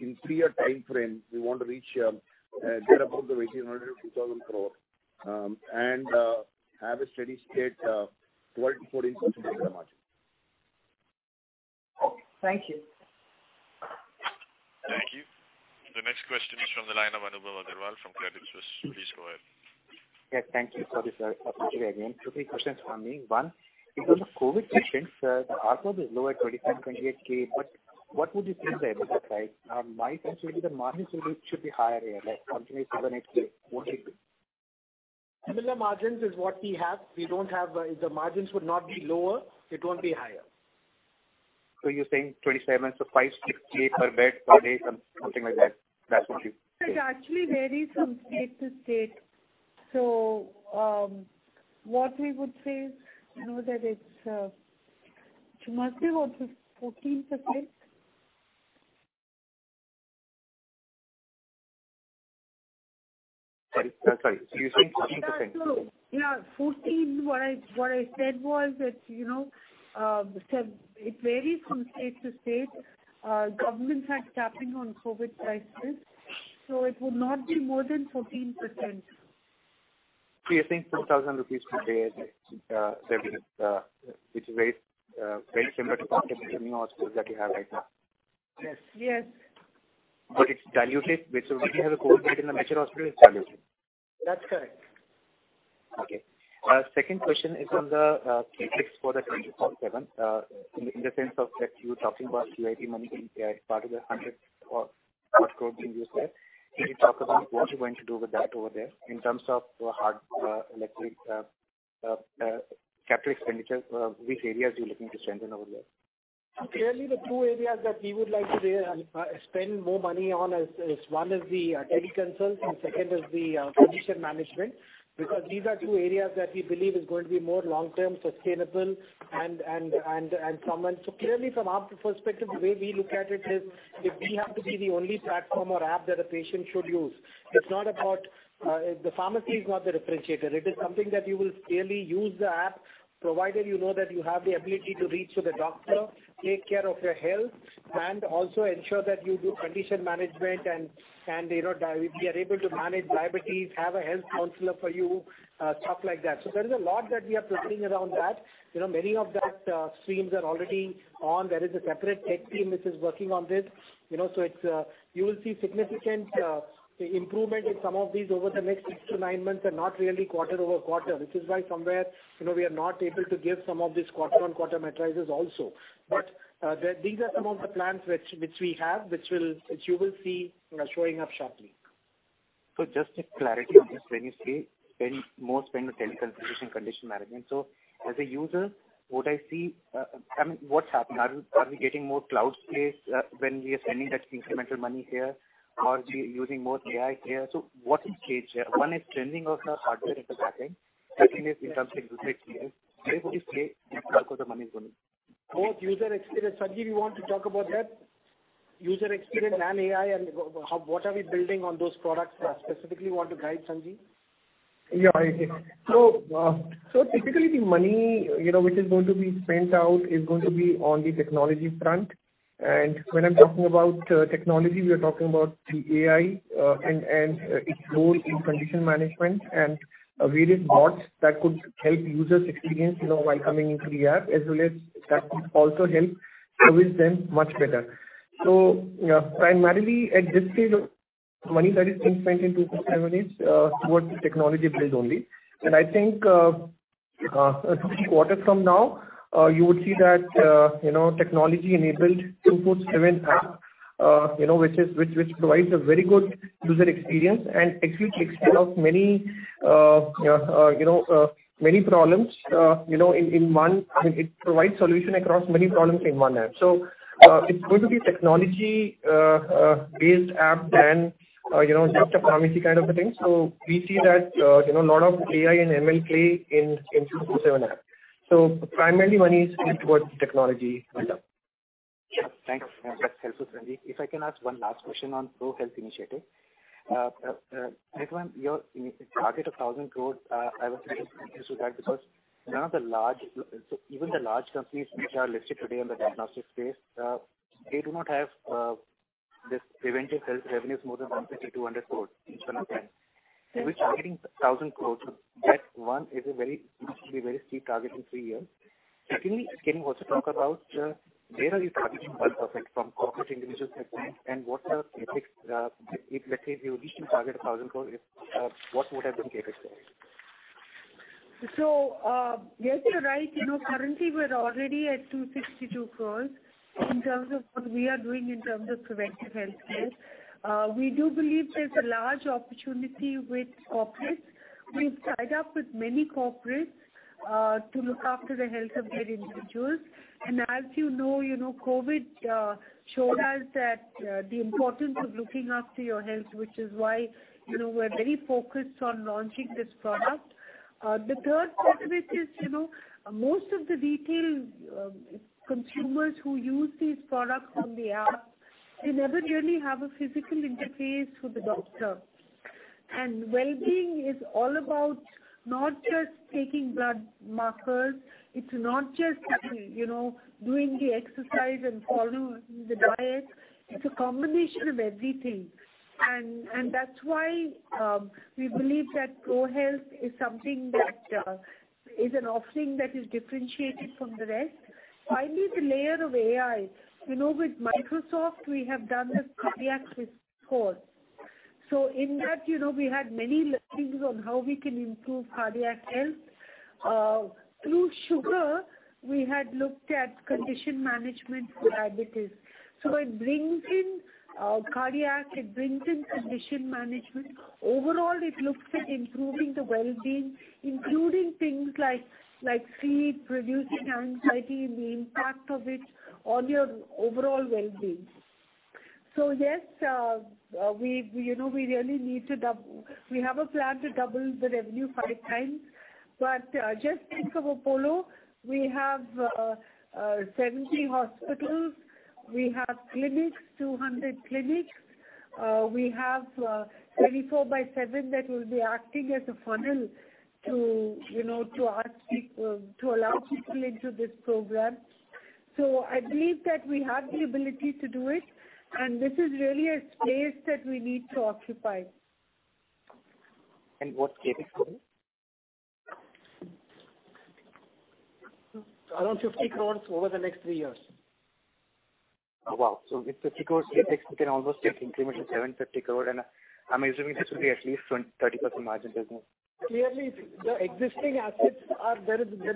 in three-year timeframe, we want to reach there about 1,800 crore-2,000 crore and have a steady state of 12%-14% EBITDA margin. Okay. Thank you. Thank you. The next question is from the line of Anubhav Agarwal from Credit Suisse. Please go ahead. Yeah, thank you. Sorry, sir. Two, three questions from me. One, because of COVID patients, the ARPOB is low at 25,000-28,000, but what would you think the average is, right? My sense would be the margins should be higher here, like continues for the next year. What do you think? Similar margins is what we have. The margins would not be lower. It won't be higher. You're saying 27, so 5,000-6,000 per bed per day, something like that? That's what. It actually varies from state to state. What we would say is, I know that it's mostly about 14%. Sorry. You're saying 14%? Yeah, 14. What I said was that it varies from state to state. Governments are capping on COVID prices, so it would not be more than 14%. You're saying INR 2,000 today is the revenue, which is very similar to competition in the hospitals that you have right now. Yes. Yes. It's diluted. When you have a COVID in a major hospital, it's diluted. That's correct. Okay. Second question is on the CapEx for the 2027, in the sense of that you were talking about QIP money being part of the 100 crore being used there. Can you talk about what you're going to do with that over there in terms of hard electric capital expenditure? Which areas are you looking to strengthen over there? Clearly, the two areas that we would like to spend more money on is, one is the teleconsult and second is the condition management. These are two areas that we believe is going to be more long-term sustainable. Clearly from our perspective, the way we look at it is, we have to be the only platform or app that a patient should use. The pharmacy is not the differentiator. It is something that you will clearly use the app, provided you know that you have the ability to reach to the doctor, take care of your health, and also ensure that you do condition management and we are able to manage diabetes, have a health counselor for you, stuff like that. There is a lot that we are preparing around that. Many of that streams are already on. There is a separate tech team which is working on this. You will see significant improvement in some of these over the next six to nine months and not really quarter-over-quarter, which is why somewhere we are not able to give some of these quarter-on-quarter matrices also. These are some of the plans which we have, which you will see showing up shortly. Just a clarity on this. When you say more spend on teleconsultation and condition management. As a user, what I see, what's happening? Are we getting more cloud space when we are sending that incremental money here? Using more AI here? What is changed here? One is trending of hardware at the back end. That thing is in terms of 18 months. Where would you say the bulk of the money is going? Both user experience. Sanjiv, you want to talk about that? User experience and AI and what are we building on those products? Specifically you want to guide, Sanjiv? Yeah. Typically the money which is going to be spent out is going to be on the technology front. When I'm talking about technology, we are talking about the AI and its role in condition management and various bots that could help users experience while coming into the app as well as that could also help service them much better. Primarily at this stage, money that is being spent in Apollo 24|7 is towards the technology build only. I think three quarters from now, you would see that technology-enabled Apollo 24|7 app which provides a very good user experience and executes many problems. It provides solution across many problems in one app. It's going to be technology-based app than just pharmacy kind of a thing. We see that a lot of AI and ML play in Apollo 24|7 app. Primarily money is spent towards technology build-up. Thanks. That's helpful, Sandeep. If I can ask one last question on Apollo ProHealth initiative. Nitin, your target of 1,000 crore. I was a little confused with that because even the large companies which are listed today in the diagnostic space they do not have this preventive health revenues more than 150 crore, INR 200 crore, each one of them. You are targeting 1,000 crore. That one is a very steep target in three years. Secondly, can you also talk about where are you targeting 1% from corporate individuals segment and what are the CapEx if, let's say you reach your target of 1,000 crore, what would have been CapEx there? Yes, you're right. Currently we're already at 262 crore in terms of what we are doing in terms of preventive healthcare. We do believe there's a large opportunity with corporates. We've tied up with many corporates to look after the health of their individuals. As you know, COVID showed us that the importance of looking after your health, which is why we're very focused on launching this product. The third part of it is most of the retail consumers who use these products on the app, they never really have a physical interface with the doctor. Wellbeing is all about not just taking blood markers. It's not just doing the exercise and following the diet. It's a combination of everything. That's why we believe that Apollo ProHealth is an offering that is differentiated from the rest. Finally, the layer of AI. With Microsoft, we have done this cardiac risk score. In that we had many learnings on how we can improve cardiac health. Through Sugar, we had looked at condition management for diabetes. It brings in cardiac, it brings in condition management. Overall, it looks at improving the wellbeing, including things like sleep, reducing anxiety, the impact of it on your overall wellbeing. Yes, we have a plan to double the revenue five times. Just think of Apollo. We have 70 hospitals, we have 200 clinics. We have 24 by seven that will be acting as a funnel to allow people into this program. I believe that we have the ability to do it, and this is really a space that we need to occupy. What CapEx? Around 50 crores over the next three years. Wow. With 50 crore CapEx, you can almost take increment of 750 crore. I'm assuming this will be at least 30% margin business. Clearly, there is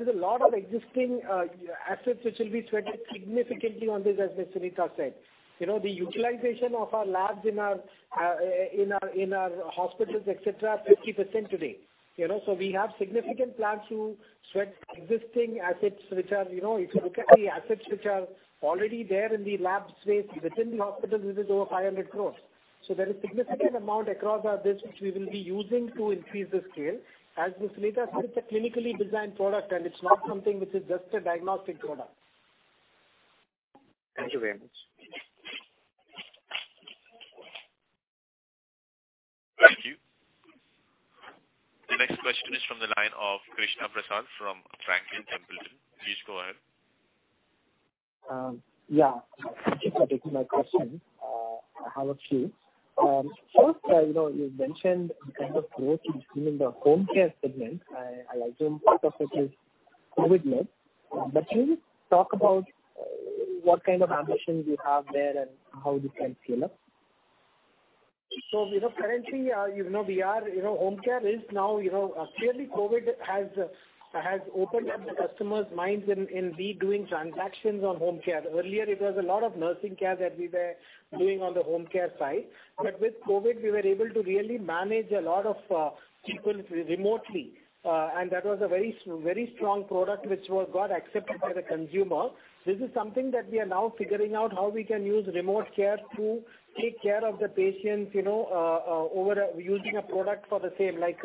a lot of existing assets which will be sweated significantly on this, as Ms. Suneeta said. The utilization of our labs in our hospitals, et cetera, are 50% today. We have significant plans to sweat existing assets. If you look at the assets which are already there in the lab space within the hospitals, this is over 500 crore. There is significant amount across our business which we will be using to increase the scale. As Ms. Suneeta said, it's a clinically designed product, and it's not something which is just a diagnostic product. Thank you very much. Thank you. The next question is from the line of Krishna Prasad from Franklin Templeton. Please go ahead. Thank you for taking my question. I have a few. First, you mentioned the kind of growth you've seen in the home care segment. I assume part of it is COVID-led. Can you talk about what kind of ambitions you have there and how this can scale up? Currently, clearly COVID has opened up the customers' minds in redoing transactions on home care. Earlier it was a lot of nursing care that we were doing on the home care side. With COVID, we were able to really manage a lot of people remotely. That was a very strong product which got accepted by the consumer. This is something that we are now figuring out how we can use remote care to take care of the patients, over using a product for the same, like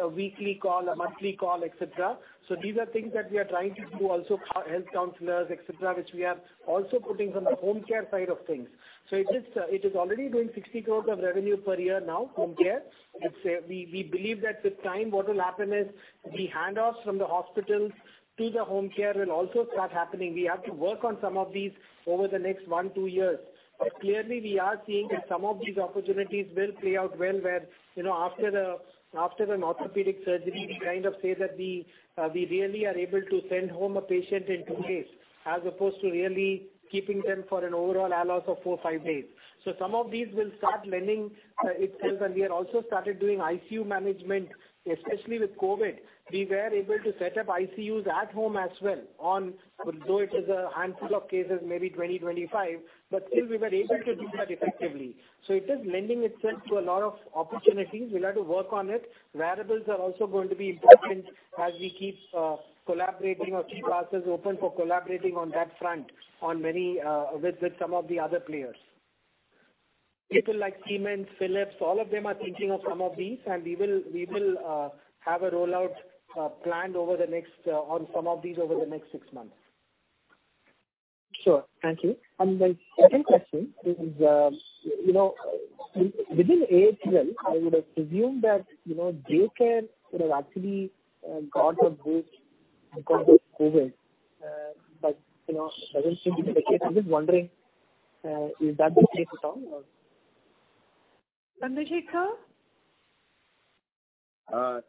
a weekly call, a monthly call, et cetera. These are things that we are trying to do also health counselors, et cetera, which we are also putting on the home care side of things. It is already doing 60 crores of revenue per year now, home care. We believe that with time what will happen is the handoffs from the hospitals to the home care will also start happening. We have to work on some of these over the next one, two years. Clearly we are seeing that some of these opportunities will play out well where after an orthopedic surgery, we say that we really are able to send home a patient in two days as opposed to really keeping them for an overall allowance of four, five days. Some of these will start lending itself, and we have also started doing ICU management, especially with COVID. We were able to set up ICUs at home as well, although it is a handful of cases, maybe 20, 25, but still we were able to do that effectively. It is lending itself to a lot of opportunities. We'll have to work on it. Wearables are also going to be important as we keep collaborating or keep ourselves open for collaborating on that front with some of the other players. People like Siemens, Philips, all of them are thinking of some of these, and we will have a rollout planned on some of these over the next six months. Sure. Thank you. My second question is, within AHLL, I would have presumed that day care would have actually got a boost because of COVID. That doesn't seem to be the case. I'm just wondering, is that the case at all? Satheesh sir.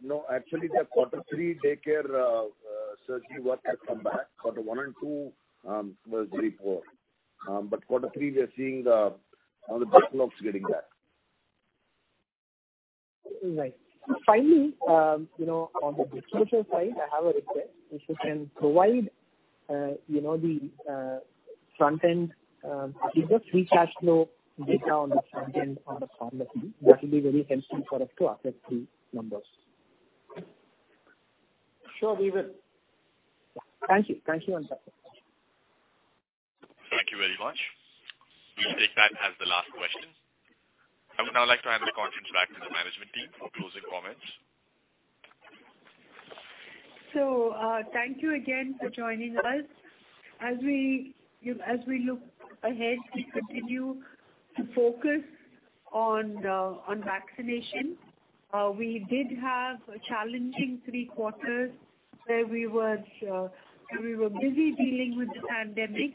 No, actually the quarter three daycare surgery work has come back. Quarter one and two was very poor. Quarter three, we are seeing all the book blocks getting back. Right. Finally, on the disclosure side, I have a request. If you can provide the front-end, if you have free cash flow data on the front end, on a quarterly, that will be very helpful for us to assess the numbers. Sure, we will. Thank you. Thank you once again. Thank you very much. We'll take that as the last question. I would now like to hand the conference back to the management team for closing comments. Thank you again for joining us. As we look ahead, we continue to focus on vaccination. We did have a challenging three quarters where we were busy dealing with the pandemic.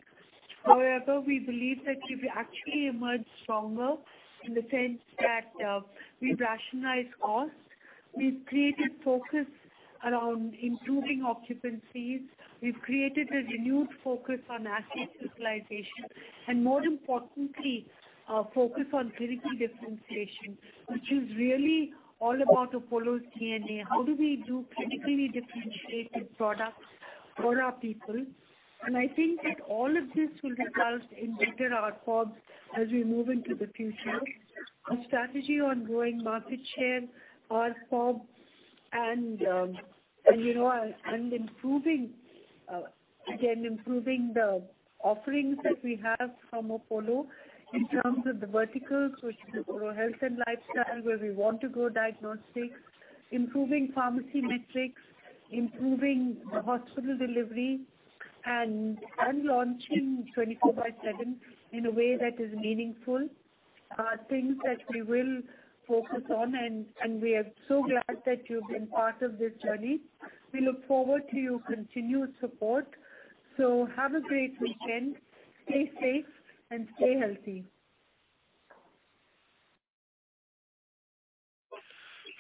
However, we believe that we've actually emerged stronger in the sense that we've rationalized costs, we've created focus around improving occupancies, we've created a renewed focus on asset utilization, and more importantly, a focus on clinical differentiation, which is really all about Apollo's DNA. How do we do clinically differentiated products for our people? I think that all of this will result in better ARPOB as we move into the future. Our strategy on growing market share, ARPOB, and improving the offerings that we have from Apollo in terms of the verticals, which is Apollo Health & Lifestyle, where we want to go diagnostics, improving pharmacy metrics, improving hospital delivery, and launching Apollo 24|7 in a way that is meaningful, are things that we will focus on, and we are so glad that you've been part of this journey. We look forward to your continued support. Have a great weekend. Stay safe, and stay healthy.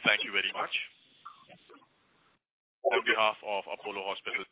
Thank you very much. On behalf of Apollo Hospitals.